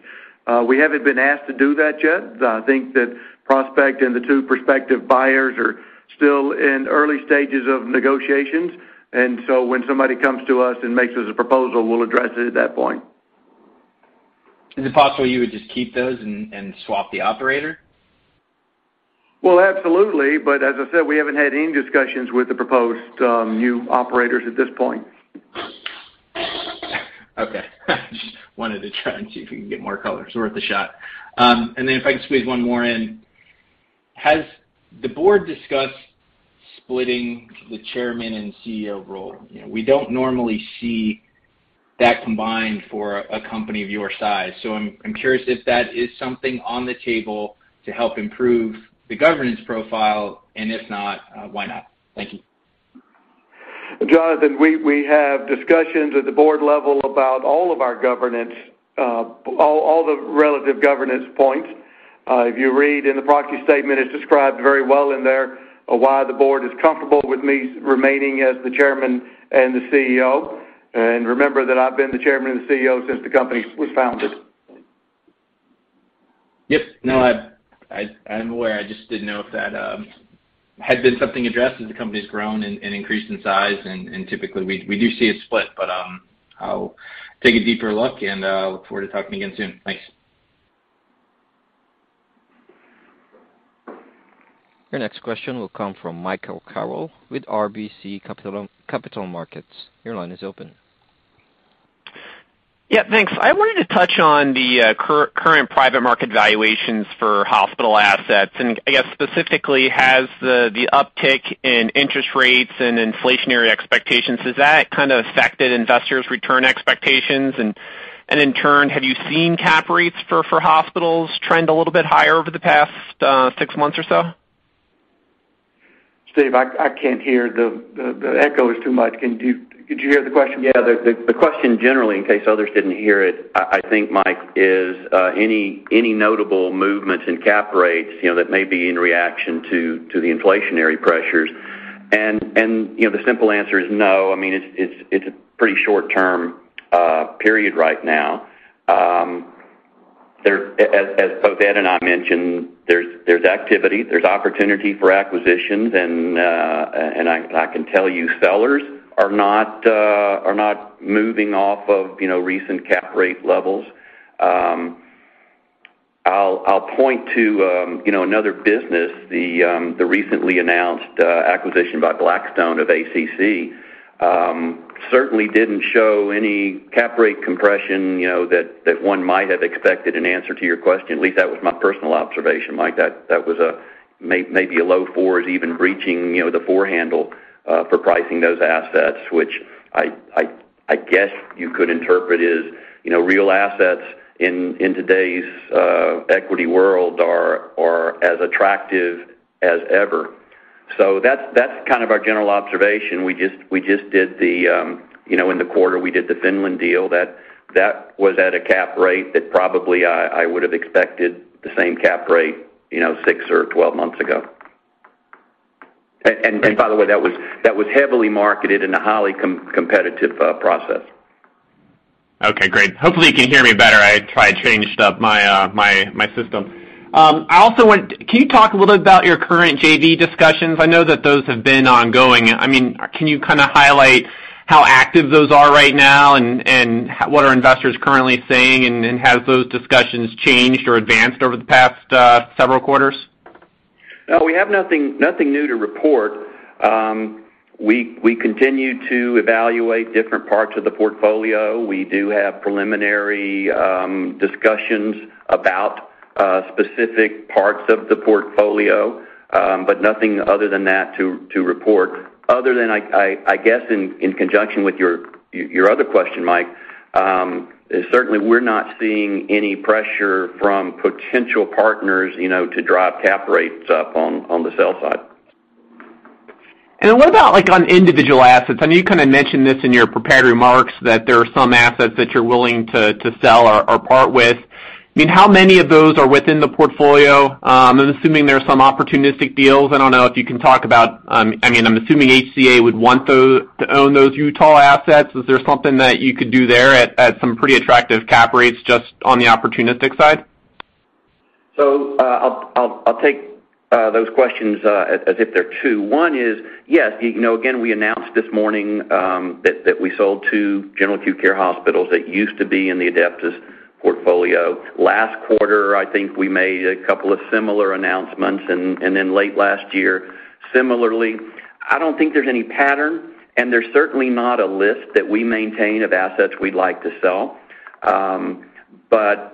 We haven't been asked to do that yet. I think that Prospect and the two prospective buyers are still in early stages of negotiations. When somebody comes to us and makes us a proposal, we'll address it at that point. Is it possible you would just keep those and swap the operator? Well, absolutely. As I said, we haven't had any discussions with the proposed, new operators at this point. Okay. Just wanted to try and see if we can get more color. It's worth a shot. If I can squeeze one more in: Has the board discussed splitting the chairman and CEO role? You know, we don't normally see that combined for a company of your size, so I'm curious if that is something on the table to help improve the governance profile, and if not, why not? Thank you. Jonathan, we have discussions at the board level about all of our governance, all the relative governance points. If you read in the proxy statement, it's described very well in there of why the board is comfortable with me remaining as the Chairman and the CEO. Remember that I've been the Chairman and CEO since the company was founded. Yes. No, I'm aware. I just didn't know if that had been something addressed as the company's grown and increased in size, and typically we do see it split. I'll take a deeper look and look forward to talking again soon. Thanks. Your next question will come from Michael Carroll with RBC Capital Markets. Your line is open. Thanks. I wanted to touch on the current private market valuations for hospital assets. I guess specifically, has the uptick in interest rates and inflationary expectations kind of affected investors' return expectations? In turn, have you seen cap rates for hospitals trend a little bit higher over the past six months or so? Steve, I can't hear. The echo is too much. Did you hear the question? Yeah. The question generally, in case others didn't hear it, I think, Mike, is any notable movements in cap rates, you know, that may be in reaction to the inflationary pressures. You know, the simple answer is no. I mean, it's a pretty short-term period right now. As both Ed and I mentioned, there's activity, there's opportunity for acquisitions, and I can tell you sellers are not moving off of, you know, recent cap rate levels. I'll point to, you know, another business, the recently announced acquisition by Blackstone of ACC, certainly didn't show any cap rate compression, you know, that one might have expected, in answer to your question. At least that was my personal observation, Mike. That was maybe a low fours even breaching, you know, the four handle for pricing those assets, which I guess you could interpret as, you know, real assets in today's equity world are as attractive as ever. That's kind of our general observation. We just did, you know, in the quarter, the Finland deal. That was at a cap rate that probably I would have expected the same cap rate, you know, six or 12 months ago. By the way, that was heavily marketed in a highly competitive process. Okay. Great. Hopefully, you can hear me better. I tried, changed up my system. Can you talk a little bit about your current JV discussions? I know that those have been ongoing. I mean, can you kinda highlight how active those are right now and what are investors currently seeing? Have those discussions changed or advanced over the past several quarters? No. We have nothing new to report. We continue to evaluate different parts of the portfolio. We do have preliminary discussions about specific parts of the portfolio, but nothing other than that to report, other than, I guess, in conjunction with your other question, Mike, certainly we're not seeing any pressure from potential partners, you know, to drive cap rates up on the sell side. What about, like, on individual assets? I know you kinda mentioned this in your prepared remarks, that there are some assets that you're willing to sell or part with. I mean, how many of those are within the portfolio? I'm assuming there are some opportunistic deals. I don't know if you can talk about, I'm assuming HCA would want to own those Utah assets. Is there something that you could do there at some pretty attractive cap rates just on the opportunistic side? I'll take those questions as if they're two. One is, yes, you know, again, we announced this morning that we sold two general acute care hospitals that used to be in the Adeptus portfolio. Last quarter, I think we made a couple of similar announcements, and then late last year, similarly. I don't think there's any pattern, and there's certainly not a list that we maintain of assets we'd like to sell.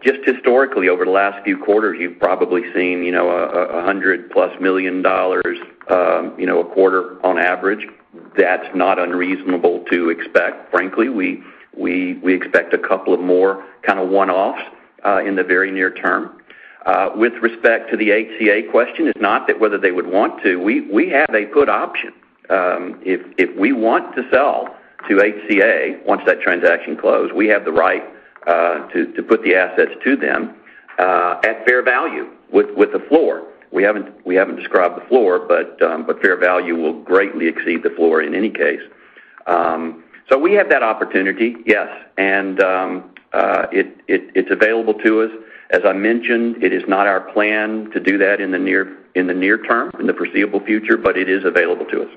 Just historically, over the last few quarters, you've probably seen, you know, a $100-plus million a quarter on average. That's not unreasonable to expect. Frankly, we expect a couple of more kind of one-offs in the very near term. With respect to the HCA question, it's not that whether they would want to. We have a put option. If we want to sell to HCA, once that transaction closed, we have the right to put the assets to them at fair value with the floor. We haven't described the floor, but fair value will greatly exceed the floor in any case. We have that opportunity, yes, and it is available to us. As I mentioned, it is not our plan to do that in the near term, in the foreseeable future, but it is available to us.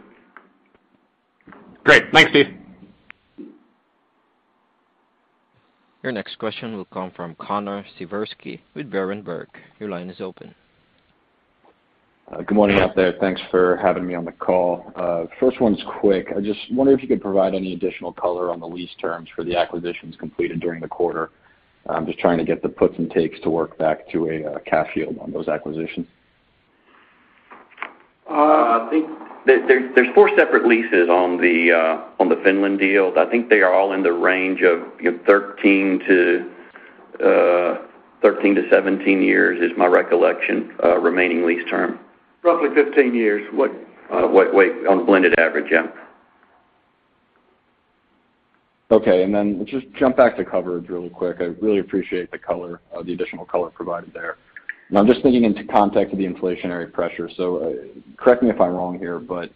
Great. Thanks, Steve. Your next question will come from Connor Siversky with Berenberg. Your line is open. Good morning out there. Thanks for having me on the call. First one's quick. I just wonder if you could provide any additional color on the lease terms for the acquisitions completed during the quarter. I'm just trying to get the puts and takes to work back to a cash yield on those acquisitions. I think that there's four separate leases on the Finland deal. I think they are all in the range of, you know, 13-17 years is my recollection, remaining lease term. Roughly 15 years. What on blended average, yeah. Okay. Then just jump back to coverage real quick. I really appreciate the color, the additional color provided there. Now, I'm just thinking in the context of the inflationary pressure. Correct me if I'm wrong here, but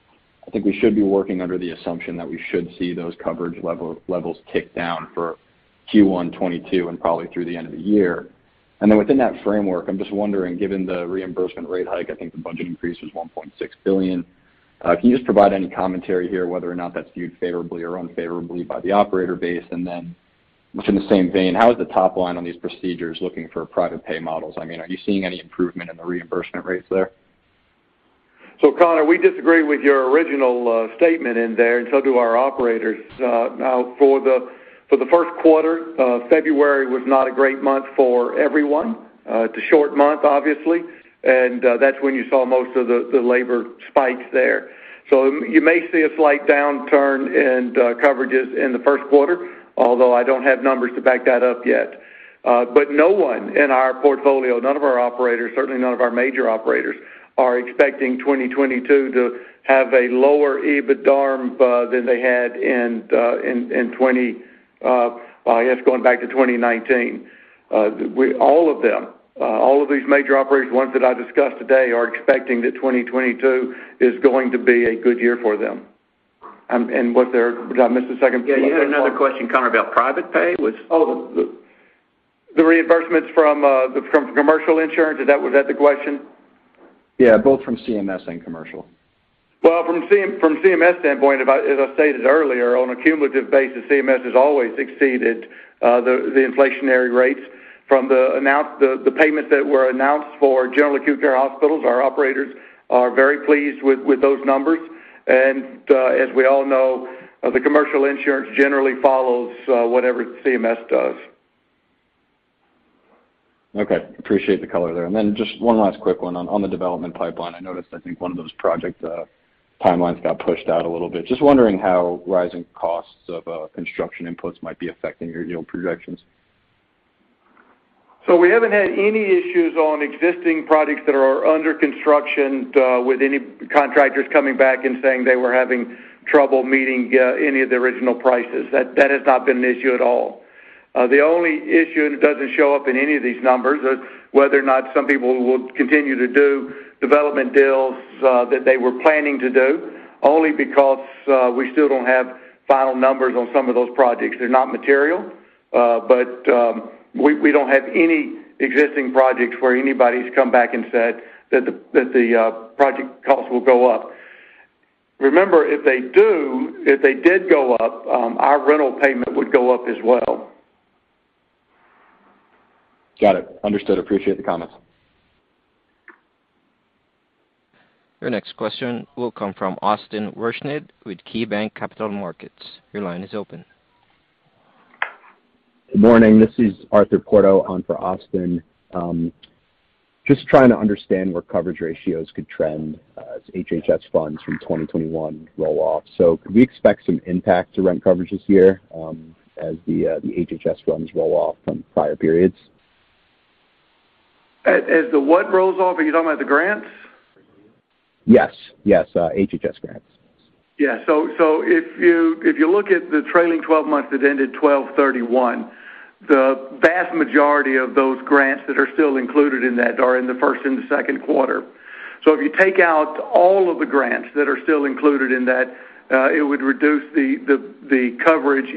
I think we should be working under the assumption that we should see those coverage levels kick down for Q1 2022 and probably through the end of the year. Then within that framework, I'm just wondering, given the reimbursement rate hike, I think the budget increase was $1.6 billion, can you just provide any commentary here whether or not that's viewed favorably or unfavorably by the operator base? Then within the same vein, how is the top line on these procedures looking for private pay models? I mean, are you seeing any improvement in the reimbursement rates there? Connor, we disagree with your original statement in there, and so do our operators. Now for the first quarter, February was not a great month for everyone. It's a short month obviously, and that's when you saw most of the labor spikes there. You may see a slight downturn in coverages in the first quarter, although I don't have numbers to back that up yet. But no one in our portfolio, none of our operators, certainly none of our major operators are expecting 2022 to have a lower EBITDARM than they had in 2019. All of them, all of these major operators, the ones that I discussed today are expecting that 2022 is going to be a good year for them. What's their? Did I miss the second part? Yeah. You had another question, Connor, about private pay. Oh, the reimbursements from commercial insurance, is that? Was that the question? Yeah, both from CMS and commercial. From CMS standpoint, as I stated earlier, on a cumulative basis, CMS has always exceeded the inflationary rates. From the announced payments that were announced for general acute care hospitals, our operators are very pleased with those numbers. As we all know, the commercial insurance generally follows whatever CMS does. Okay. Appreciate the color there. Then just one last quick one on the development pipeline. I noticed, I think one of those project timelines got pushed out a little bit. Just wondering how rising costs of construction inputs might be affecting your yield projections. We haven't had any issues on existing projects that are under construction with any contractors coming back and saying they were having trouble meeting any of the original prices. That has not been an issue at all. The only issue, and it doesn't show up in any of these numbers, whether or not some people will continue to do development deals that they were planning to do only because we still don't have final numbers on some of those projects. They're not material, but we don't have any existing projects where anybody's come back and said that the project costs will go up. Remember, if they did go up, our rental payment would go up as well. Got it. Understood. Appreciate the comments. Your next question will come from Austin Wurschmidt with KeyBanc Capital Markets. Your line is open. Good morning. This is Arthur Porto on for Austin. Just trying to understand where coverage ratios could trend as HHS funds from 2021 roll off. Could we expect some impact to rent coverage this year as the HHS funds roll off from prior periods? As the what rolls off? Are you talking about the grants? Yes. Yes, HHS grants. Yeah. If you look at the trailing twelve months that ended 12/31, the vast majority of those grants that are still included in that are in the first and the second quarter. If you take out all of the grants that are still included in that, it would reduce the coverage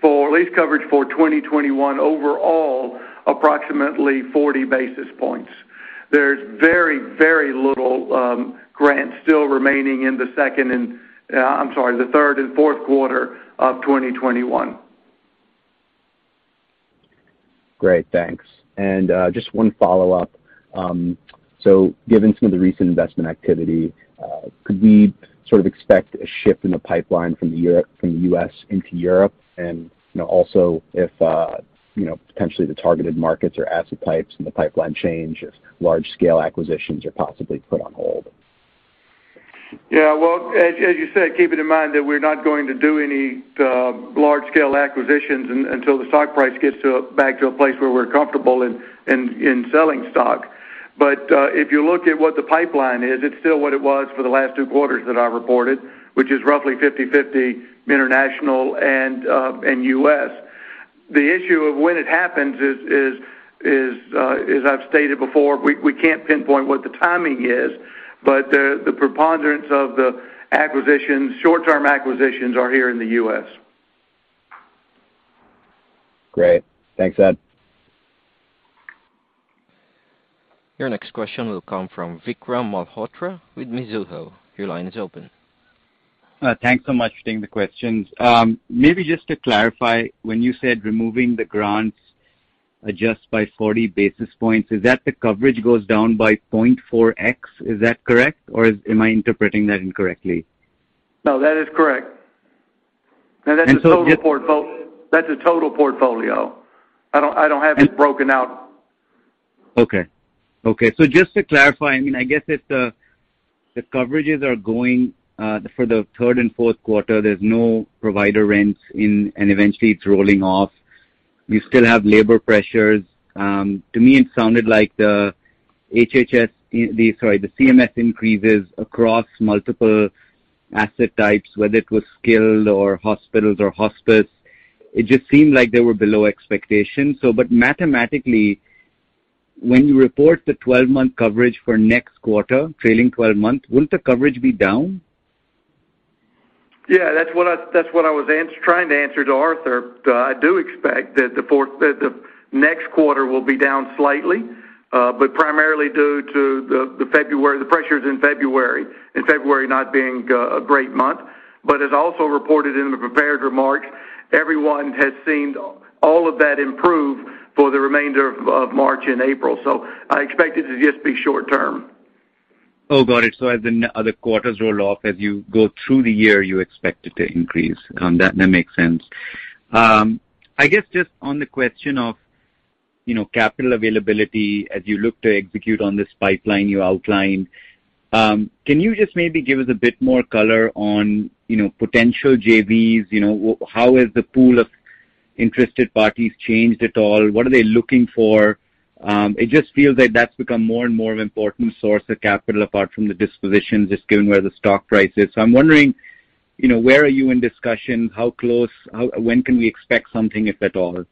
for lease coverage for 2021 overall approximately 40 basis points. There's very little grants still remaining in the third and fourth quarter of 2021. Great, thanks. Just one follow-up. Given some of the recent investment activity, could we sort of expect a shift in the pipeline from the US into Europe? You know, also if, you know, potentially the targeted markets or asset types and the pipeline change if large scale acquisitions are possibly put on hold. Yeah. Well, as you said, keeping in mind that we're not going to do any large-scale acquisitions until the stock price gets back to a place where we're comfortable with selling stock. If you look at what the pipeline is, it's still what it was for the last two quarters that I reported, which is roughly 50/50 international and US. The issue of when it happens is as I've stated before, we can't pinpoint what the timing is, but the preponderance of the short-term acquisitions are here in the US. Great. Thanks, Ed. Your next question will come from Vikram Malhotra with Mizuho. Your line is open. Thanks so much for taking the questions. Maybe just to clarify, when you said removing the grants adjust by 40 basis points, is that the coverage goes down by 0.4x? Is that correct? Or am I interpreting that incorrectly? No, that is correct. And so just- That's a total portfolio. I don't have it broken out. Okay. Just to clarify, I mean, I guess if the coverages are going for the third and fourth quarter, there's no provider rents in, and eventually it's rolling off. We still have labor pressures. To me, it sounded like the CMS increases across multiple asset types, whether it was skilled or hospitals or hospice, it just seemed like they were below expectations. But mathematically, when you report the twelve-month coverage for next quarter, trailing twelve-month, won't the coverage be down? Yeah, that's what I was trying to answer to Arthur. I do expect that the next quarter will be down slightly, but primarily due to the February pressures in February, and February not being a great month. As also reported in the prepared remarks, everyone has seen all of that improve for the remainder of March and April. I expect it to just be short term. Oh, got it. As the other quarters roll off, as you go through the year, you expect it to increase. That makes sense. I guess just on the question of, you know, capital availability as you look to execute on this pipeline you outlined, can you just maybe give us a bit more color on, you know, potential JVs? You know, how has the pool of interested parties changed at all? What are they looking for? It just feels that that's become more and more of an important source of capital apart from the disposition, just given where the stock price is. I'm wondering, you know, where are you in discussions? How close? When can we expect something, if at all?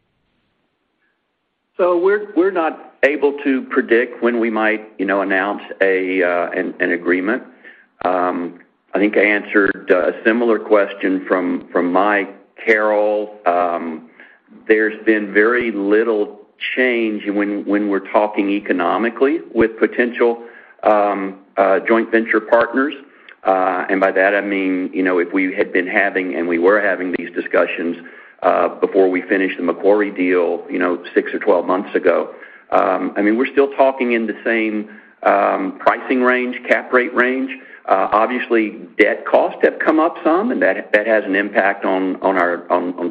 We're not able to predict when we might, you know, announce an agreement. I think I answered a similar question from Mike Carroll. There's been very little change when we're talking economically with potential joint venture partners. And by that, I mean, you know, if we were having these discussions before we finished the Macquarie deal, you know, six or 12 months ago. I mean, we're still talking in the same pricing range, cap rate range. Obviously, debt costs have come up some, and that has an impact on our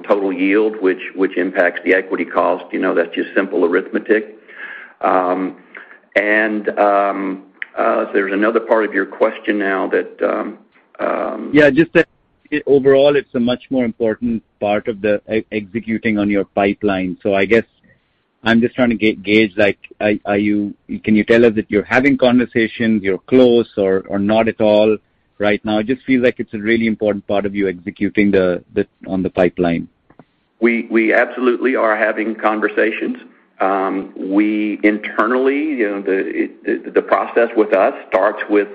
total yield, which impacts the equity cost. You know, that's just simple arithmetic. There's another part of your question now that Yeah, just that overall, it's a much more important part of the executing on your pipeline. I guess I'm just trying to gauge, like, can you tell us if you're having conversations, you're close or not at all right now? It just feels like it's a really important part of your executing on the pipeline. We absolutely are having conversations. We internally, you know, the process with us starts with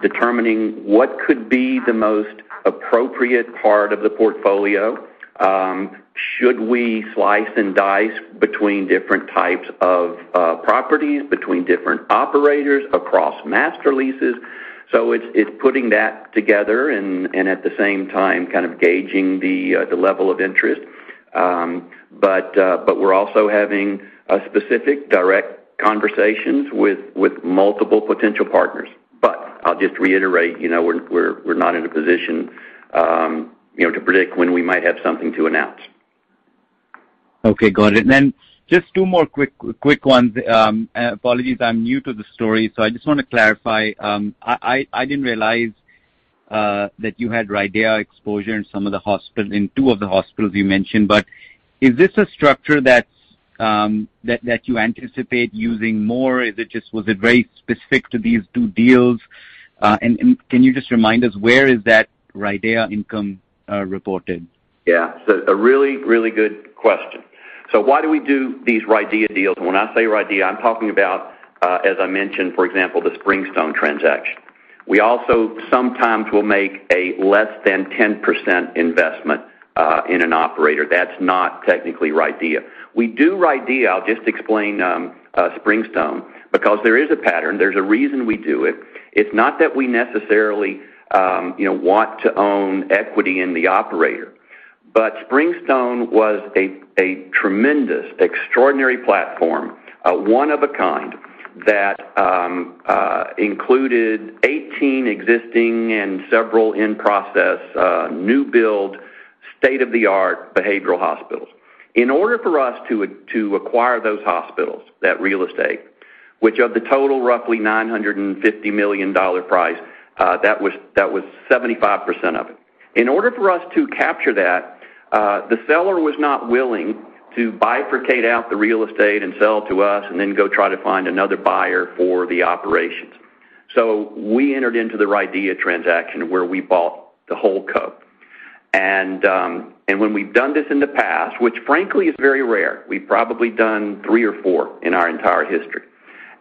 determining what could be the most appropriate part of the portfolio. Should we slice and dice between different types of properties, between different operators across master leases? It's putting that together and at the same time, kind of gauging the level of interest. We're also having specific direct conversations with multiple potential partners. I'll just reiterate, you know, we're not in a position to predict when we might have something to announce. Okay, got it. Just two more quick ones. Apologies, I'm new to the story, so I just want to clarify. I didn't realize that you had RIDEA exposure in two of the hospitals you mentioned, but is this a structure that you anticipate using more? Is it just, was it very specific to these two deals? And can you just remind us where is that RIDEA income reported? Yeah. A really, really good question. Why do we do these RIDEA deals? When I say RIDEA, I'm talking about, as I mentioned, for example, the Springstone transaction. We also sometimes will make a less than 10% investment in an operator. That's not technically RIDEA. We do RIDEA, I'll just explain, Springstone because there is a pattern. There's a reason we do it. It's not that we necessarily, you know, want to own equity in the operator. Springstone was a tremendous, extraordinary platform, one of a kind that included 18 existing and several in-process, new build, state-of-the-art behavioral hospitals. In order for us to acquire those hospitals, that real estate, which of the total roughly $950 million price, that was 75% of it. In order for us to capture that, the seller was not willing to bifurcate out the real estate and sell to us and then go try to find another buyer for the operations. We entered into the RIDEA transaction where we bought the whole co. When we've done this in the past, which frankly is very rare, we've probably done three or four in our entire history,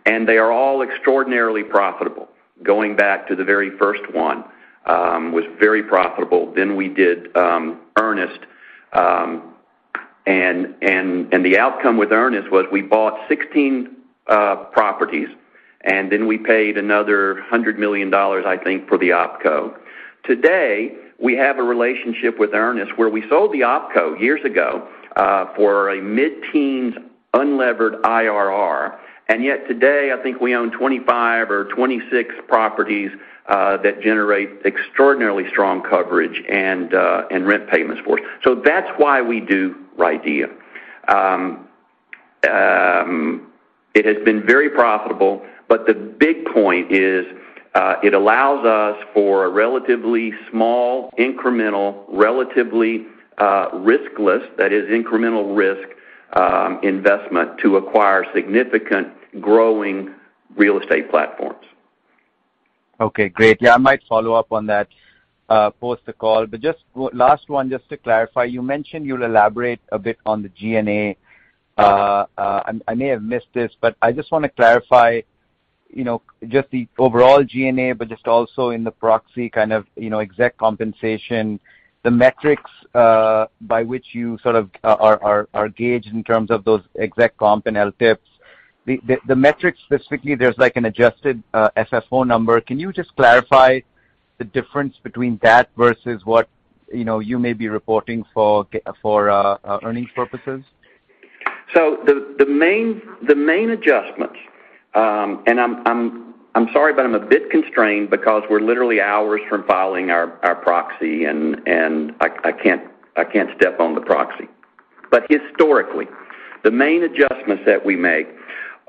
and they are all extraordinarily profitable. Going back to the very first one was very profitable. We did Ernest, and the outcome with Ernest was we bought 16 properties, and then we paid another $100 million, I think, for the OpCo. Today, we have a relationship with Ernest where we sold the OpCo years ago for a mid-teens unlevered IRR. Today, I think we own 25 or 26 properties that generate extraordinarily strong coverage and rent payments for us. That's why we do RIDEA. It has been very profitable, but the big point is it allows us for a relatively small, incremental, riskless, that is incremental risk, investment to acquire significant growing real estate platforms. Okay, great. Yeah, I might follow up on that post the call. Just last one, just to clarify, you mentioned you'll elaborate a bit on the G&A. And I may have missed this, but I just want to clarify, you know, just the overall G&A, but just also in the proxy kind of, you know, exec compensation, the metrics by which you sort of are gauged in terms of those exec comp and LTIPs. The metrics specifically, there's like an adjusted FFO number. Can you just clarify the difference between that versus what, you know, you may be reporting for GAAP earnings purposes? The main adjustments, and I'm sorry, but I'm a bit constrained because we're literally hours from filing our proxy, and I can't step on the proxy. Historically, the main adjustments that we make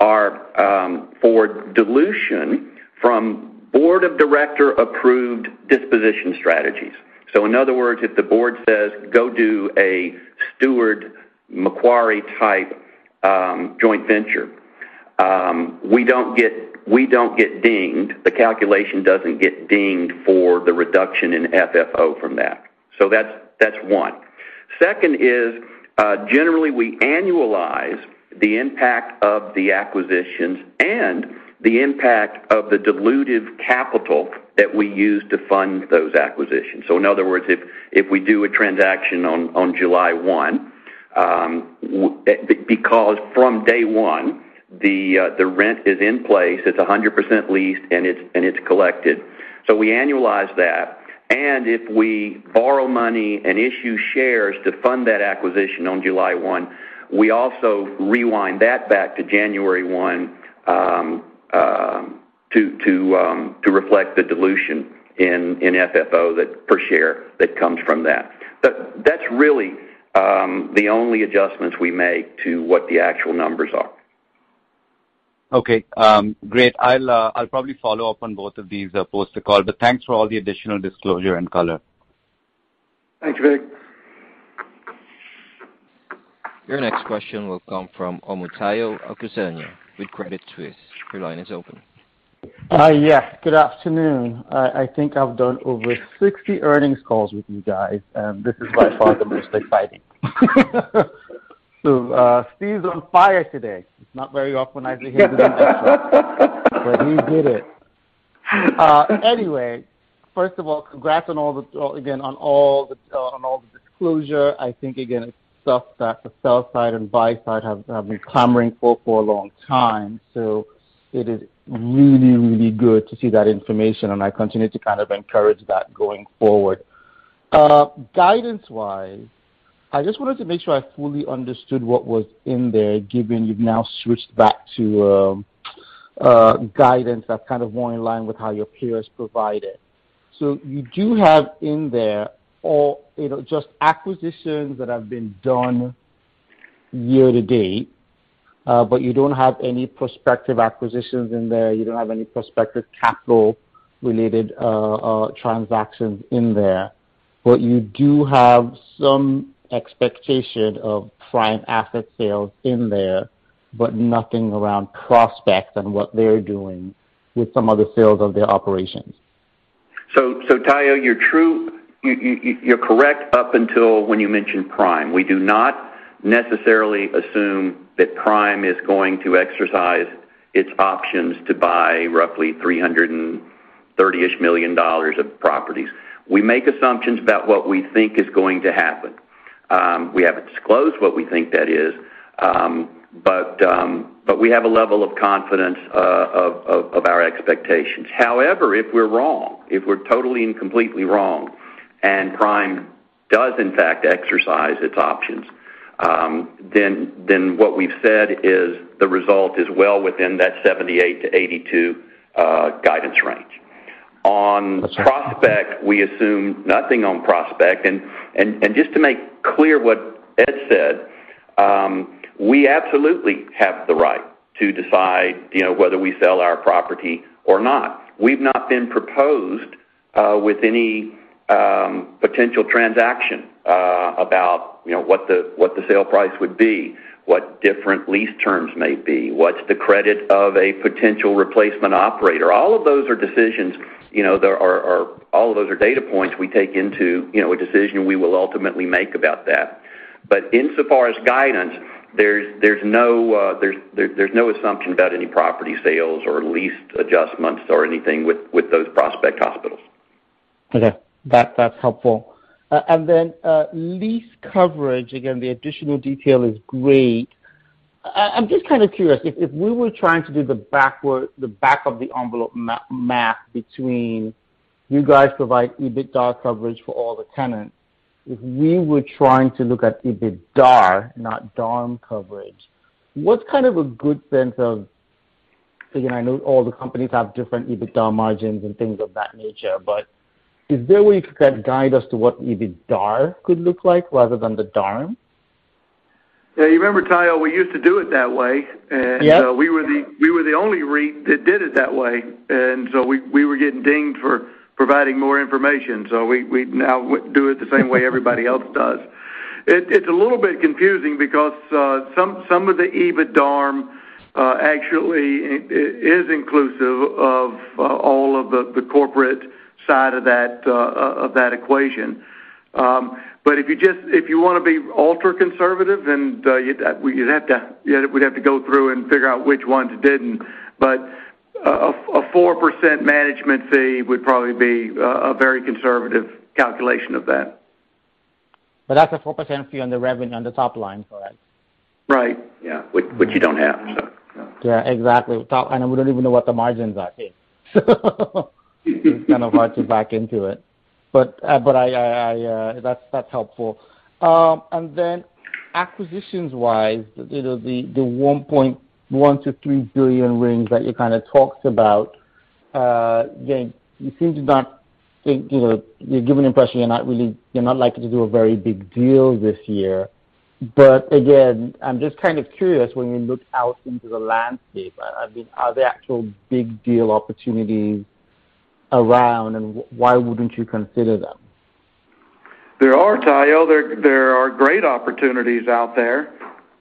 are for dilution from board of director approved disposition strategies. In other words, if the board says, "Go do a Steward Macquarie type joint venture," we don't get dinged. The calculation doesn't get dinged for the reduction in FFO from that. That's one. Second is generally we annualize the impact of the acquisitions and the impact of the dilutive capital that we use to fund those acquisitions. In other words, if we do a transaction on July 1, because from day one, the rent is in place, it's 100% leased, and it's collected. We annualize that. If we borrow money and issue shares to fund that acquisition on July 1, we also rewind that back to January 1 to reflect the dilution in FFO per share that comes from that. That's really the only adjustments we make to what the actual numbers are. Okay, great. I'll probably follow up on both of these, post the call, but thanks for all the additional disclosure and color. Thanks, Vik. Your next question will come from Omotayo Okusanya with Credit Suisse. Your line is open. Yes, good afternoon. I think I've done over 60 earnings calls with you guys, and this is by far the most exciting. Steven's on fire today. It's not very often I see him doing extras. He did it. Anyway, first of all, congrats on all the disclosure again. I think again it's stuff that the sell side and buy side have been clamoring for a long time. It is really really good to see that information, and I continue to kind of encourage that going forward. Guidance-wise, I just wanted to make sure I fully understood what was in there, given you've now switched back to guidance that's kind of more in line with how your peers provide it. You do have in there all, you know, just acquisitions that have been done year to date, but you don't have any prospective acquisitions in there. You don't have any prospective capital related transactions in there. You do have some expectation of Prime asset sales in there, but nothing around prospects and what they're doing with some of the sales of their operations. So Tayo, you're correct up until when you mentioned Prime. We do not necessarily assume that Prime is going to exercise its options to buy roughly $330 million of properties. We make assumptions about what we think is going to happen. We haven't disclosed what we think that is, but we have a level of confidence of our expectations. However, if we're wrong, if we're totally and completely wrong, and Prime does in fact exercise its options, then what we've said is the result is well within that 78-82 guidance range. Okay. On Prospect, we assume nothing on Prospect. Just to make clear what Ed said, we absolutely have the right to decide, you know, whether we sell our property or not. We've not been proposed with any potential transaction about, you know, what the sale price would be, what different lease terms may be, what's the credit of a potential replacement operator. All of those are decisions, you know, all of those are data points we take into, you know, a decision we will ultimately make about that. Insofar as guidance, there's no assumption about any property sales or lease adjustments or anything with those Prospect hospitals. Okay. That's helpful. Lease coverage, again, the additional detail is great. I'm just kind of curious if we were trying to do the back of the envelope math that you guys provide EBITDA coverage for all the tenants. If we were trying to look at EBITDAR, not EBITDARM coverage, what's kind of a good sense of. Again, I know all the companies have different EBITDA margins and things of that nature, but is there a way you could kind of guide us to what EBITDAR could look like rather than the EBITDARM? Yeah. You remember, Tayo, we used to do it that way. Yeah. We were the only REIT that did it that way. We were getting dinged for providing more information. We now do it the same way everybody else does. It's a little bit confusing because some of the EBITDARM actually is inclusive of all of the corporate side of that equation. If you wanna be ultra-conservative, then we'd have to go through and figure out which ones didn't. A 4% management fee would probably be a very conservative calculation of that. That's a 4% fee on the revenue, on the top line, correct? Right. Yeah. Which you don't have, so yeah. Yeah, exactly. Top line, we don't even know what the margins are here. It's kind of hard to back into it. That's helpful. Acquisitions wise, you know, the $1.1 billion-$3 billion range that you kind of talked about, again, you seem to not think, you know, you're giving the impression you're not likely to do a very big deal this year. But again, I'm just kind of curious, when you look out into the landscape, I mean, are there actual big deal opportunities around, and why wouldn't you consider them? There are, Tayo. There are great opportunities out there.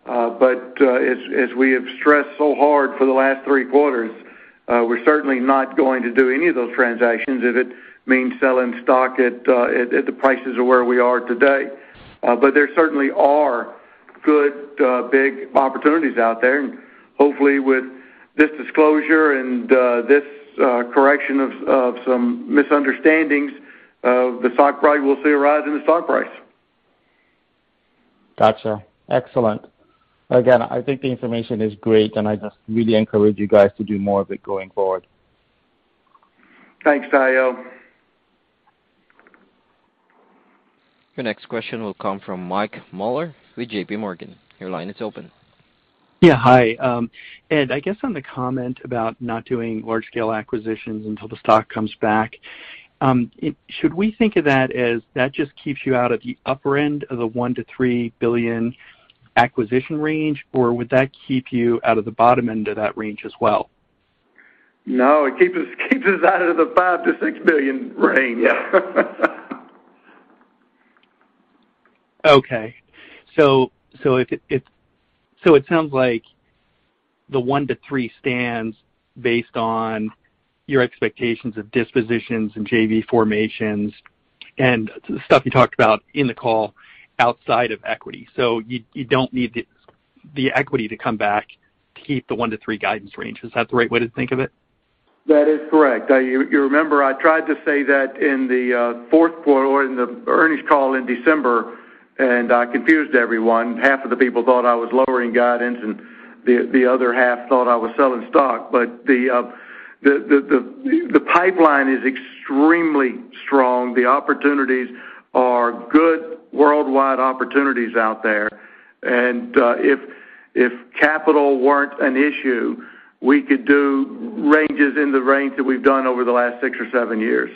But as we have stressed so hard for the last three quarters, we're certainly not going to do any of those transactions if it means selling stock at the prices of where we are today. But there certainly are good big opportunities out there. Hopefully, with this disclosure and this correction of some misunderstandings, the stock price. We'll see a rise in the stock price. Gotcha. Excellent. Again, I think the information is great, and I just really encourage you guys to do more of it going forward. Thanks, Tayo. Your next question will come from Mike Mueller with JP Morgan. Your line is open. Yeah. Hi. Ed, I guess on the comment about not doing large scale acquisitions until the stock comes back, should we think of that as that just keeps you out of the upper end of the $1 billion-$3 billion acquisition range, or would that keep you out of the bottom end of that range as well? No, it keeps us out of the $5-6 billion range. If it sounds like the $1 billion-$3 billion stands based on your expectations of dispositions and JV formations and the stuff you talked about in the call outside of equity. You don't need the equity to come back to keep the $1 billion-$3 billion guidance range. Is that the right way to think of it? That is correct. Now you remember I tried to say that in the fourth quarter or in the earnings call in December, and I confused everyone. Half of the people thought I was lowering guidance, and the pipeline is extremely strong. The opportunities are good worldwide opportunities out there. If capital weren't an issue, we could do deals in the range that we've done over the last six or seven years.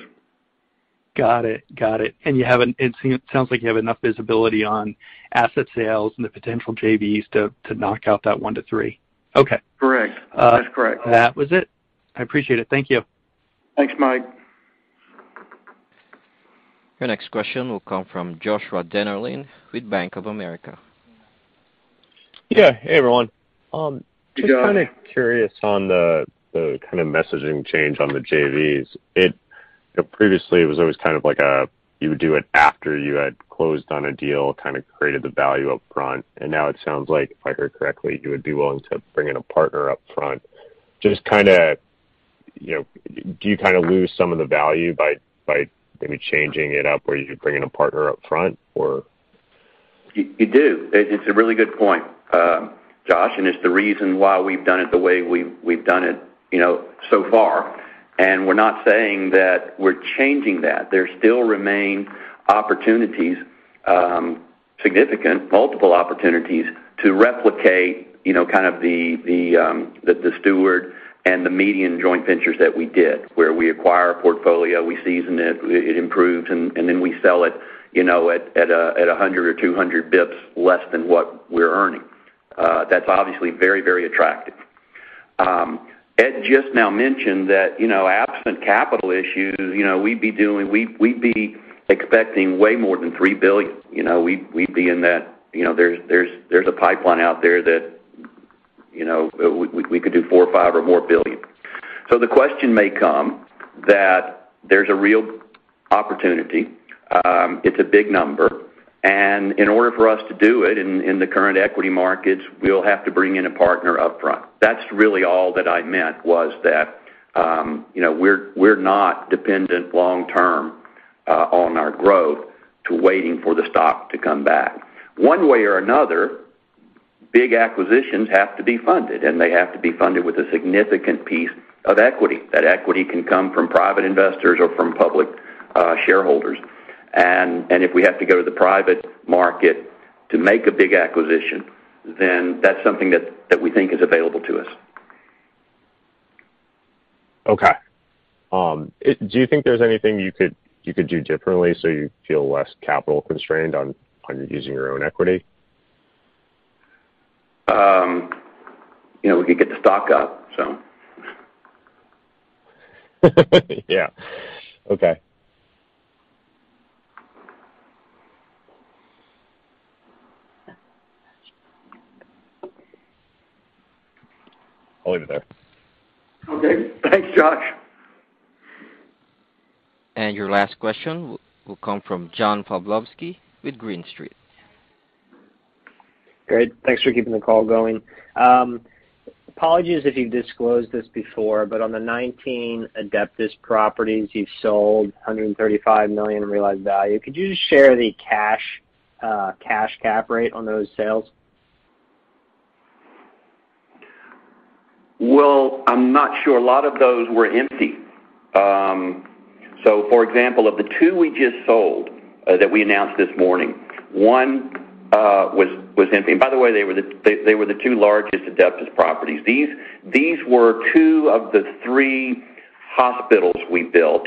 Got it. Got it. It sounds like you have enough visibility on asset sales and the potential JVs to knock out that $1 billion-$3 billion. Okay. Correct. That's correct. That was it. I appreciate it. Thank you. Thanks, Mike. Your next question will come from Joshua Dennerlein with Bank of America. Yeah. Hey, everyone. Hey, Josh. Just kinda curious on the kind of messaging change on the JVs. Previously, it was always kind of like a, you would do it after you had closed on a deal, kind of created the value upfront. Now it sounds like, if I heard correctly, you would be willing to bring in a partner up front. Just kinda, you know, do you kind of lose some of the value by maybe changing it up where you're bringing a partner up front, or? You do. It's a really good point, Josh, and it's the reason why we've done it the way we've done it, you know, so far, and we're not saying that we're changing that. There still remain opportunities, significant multiple opportunities to replicate, you know, kind of the Steward and the MEDIAN joint ventures that we did, where we acquire a portfolio, we season it improves, and then we sell it, you know, at 100 or 200 basis points less than what we're earning. That's obviously very, very attractive. Ed just now mentioned that, you know, absent capital issues, you know, we'd be expecting way more than $3 billion. You know, we'd be in that. You know, there's a pipeline out there that, you know, we could do $4 billion or $5 billion or more. The question may come that there's a real opportunity. It's a big number. In order for us to do it in the current equity markets, we'll have to bring in a partner upfront. That's really all that I meant, was that, you know, we're not dependent long-term on our growth to waiting for the stock to come back. One way or another, big acquisitions have to be funded, and they have to be funded with a significant piece of equity. That equity can come from private investors or from public shareholders. If we have to go to the private market to make a big acquisition, then that's something that we think is available to us. Do you think there's anything you could do differently so you feel less capital constrained on using your own equity? You know, we could get the stock up, so. Yeah. Okay. I'll leave it there. Okay. Thanks, Josh. Your last question will come from John Pawlowski with Green Street. Great. Thanks for keeping the call going. Apologies if you've disclosed this before, but on the 19 Adeptus properties you've sold, $135 million in realized value, could you just share the cash cap rate on those sales? Well, I'm not sure. A lot of those were empty. For example, of the two we just sold that we announced this morning, one was empty. By the way, they were the two largest Adeptus properties. These were two of the three hospitals we built.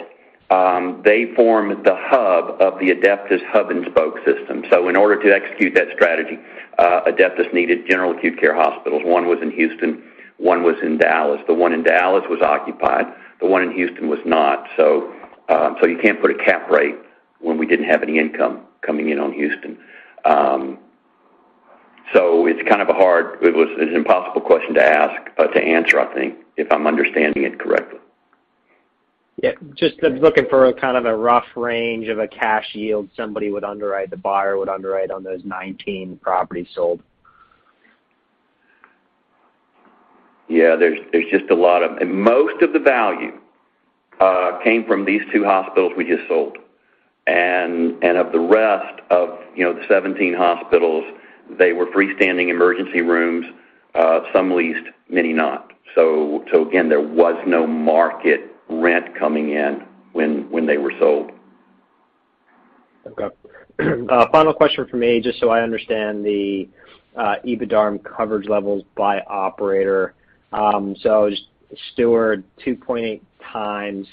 They form the hub of the Adeptus hub and spoke system. In order to execute that strategy, Adeptus needed general acute care hospitals. One was in Houston, one was in Dallas. The one in Dallas was occupied, the one in Houston was not. You can't put a cap rate when we didn't have any income coming in on Houston. It's an impossible question to answer, I think, if I'm understanding it correctly. Yeah. Just looking for kind of a rough range of a cash yield somebody would underwrite, the buyer would underwrite on those 19 properties sold? Yeah. Most of the value came from these two hospitals we just sold. Of the rest of, you know, the 17 hospitals, they were freestanding emergency rooms, some leased, many not. Again, there was no market rent coming in when they were sold. Okay. Final question from me, just so I understand the EBITDARM coverage levels by operator. Steward, 2.8x.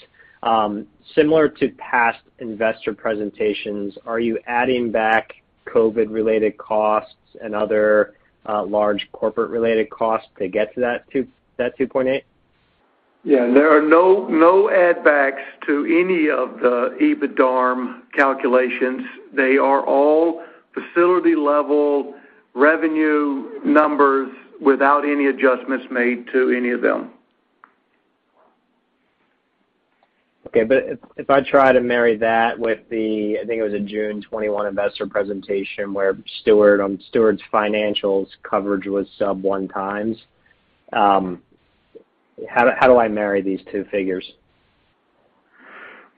Similar to past investor presentations, are you adding back COVID-related costs and other large corporate related costs to get to that 2.8? Yeah. There are no add backs to any of the EBITDARM calculations. They are all facility-level revenue numbers without any adjustments made to any of them. If I try to marry that with the, I think it was a June 2021 investor presentation, where Steward, on Steward's financials coverage was sub 1x. How do I marry these two figures?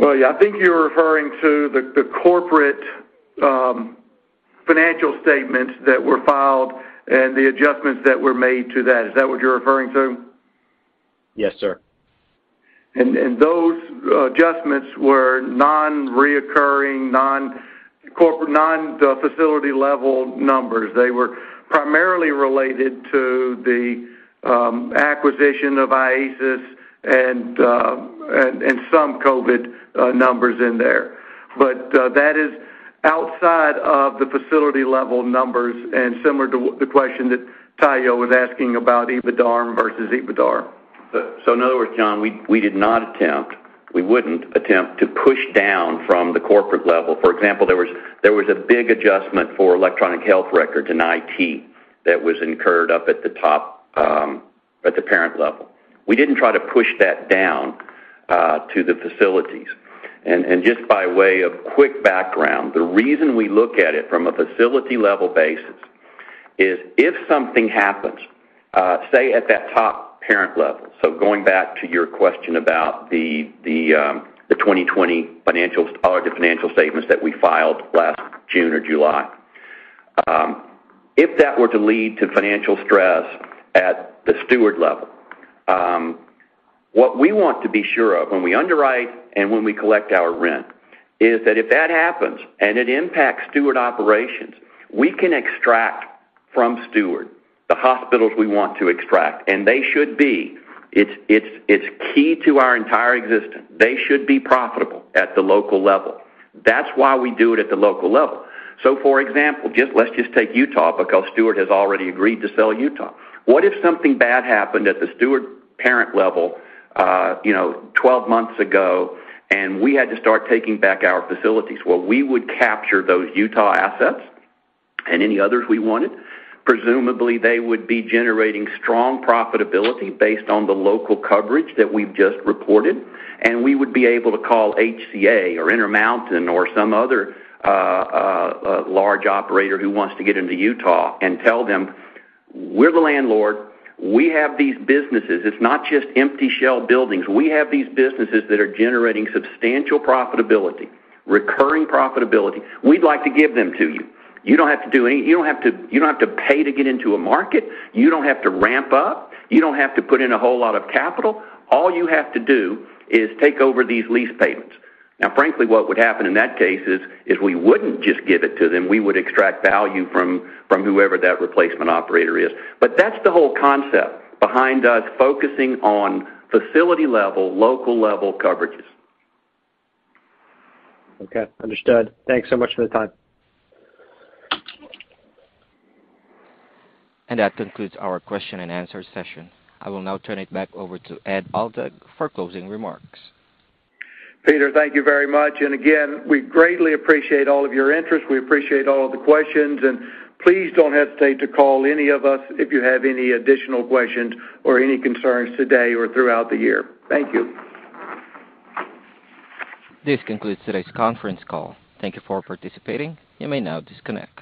Well, yeah, I think you're referring to the corporate financial statements that were filed and the adjustments that were made to that. Is that what you're referring to? Yes, sir. Those adjustments were non-recurring, non-corporate, non-facility-level numbers. They were primarily related to the acquisition of Oasis and some COVID numbers in there. But that is outside of the facility-level numbers, and similar to the question that Tayo was asking about EBITDARM versus EBITDA. In other words, John, we did not attempt, we wouldn't attempt to push down from the corporate level. For example, there was a big adjustment for electronic health records and IT that was incurred up at the top, at the parent level. We didn't try to push that down to the facilities. Just by way of quick background, the reason we look at it from a facility-level basis is if something happens, say at that top parent level, so going back to your question about the 2020 financials or the financial statements that we filed last June or July. If that were to lead to financial stress at the Steward level, what we want to be sure of when we underwrite and when we collect our rent is that if that happens and it impacts Steward operations, we can extract from Steward the hospitals we want to extract, and they should be. It's key to our entire existence. They should be profitable at the local level. That's why we do it at the local level. For example, let's just take Utah, because Steward has already agreed to sell Utah. What if something bad happened at the Steward parent level, you know, 12 months ago, and we had to start taking back our facilities? Well, we would capture those Utah assets and any others we wanted. Presumably, they would be generating strong profitability based on the local coverage that we've just reported, and we would be able to call HCA or Intermountain or some other large operator who wants to get into Utah and tell them, "We're the landlord. We have these businesses. It's not just empty shell buildings. We have these businesses that are generating substantial profitability, recurring profitability. We'd like to give them to you. You don't have to pay to get into a market. You don't have to ramp up. You don't have to put in a whole lot of capital. All you have to do is take over these lease payments." Now, frankly, what would happen in that case is we wouldn't just give it to them. We would extract value from whoever that replacement operator is. That's the whole concept behind us focusing on facility-level, local-level coverages. Okay. Understood. Thanks so much for the time. That concludes our question and answer session. I will now turn it back over to Ed Aldag for closing remarks. Peter, thank you very much. Again, we greatly appreciate all of your interest. We appreciate all the questions. Please don't hesitate to call any of us if you have any additional questions or any concerns today or throughout the year. Thank you. This concludes today's conference call. Thank you for participating. You may now disconnect.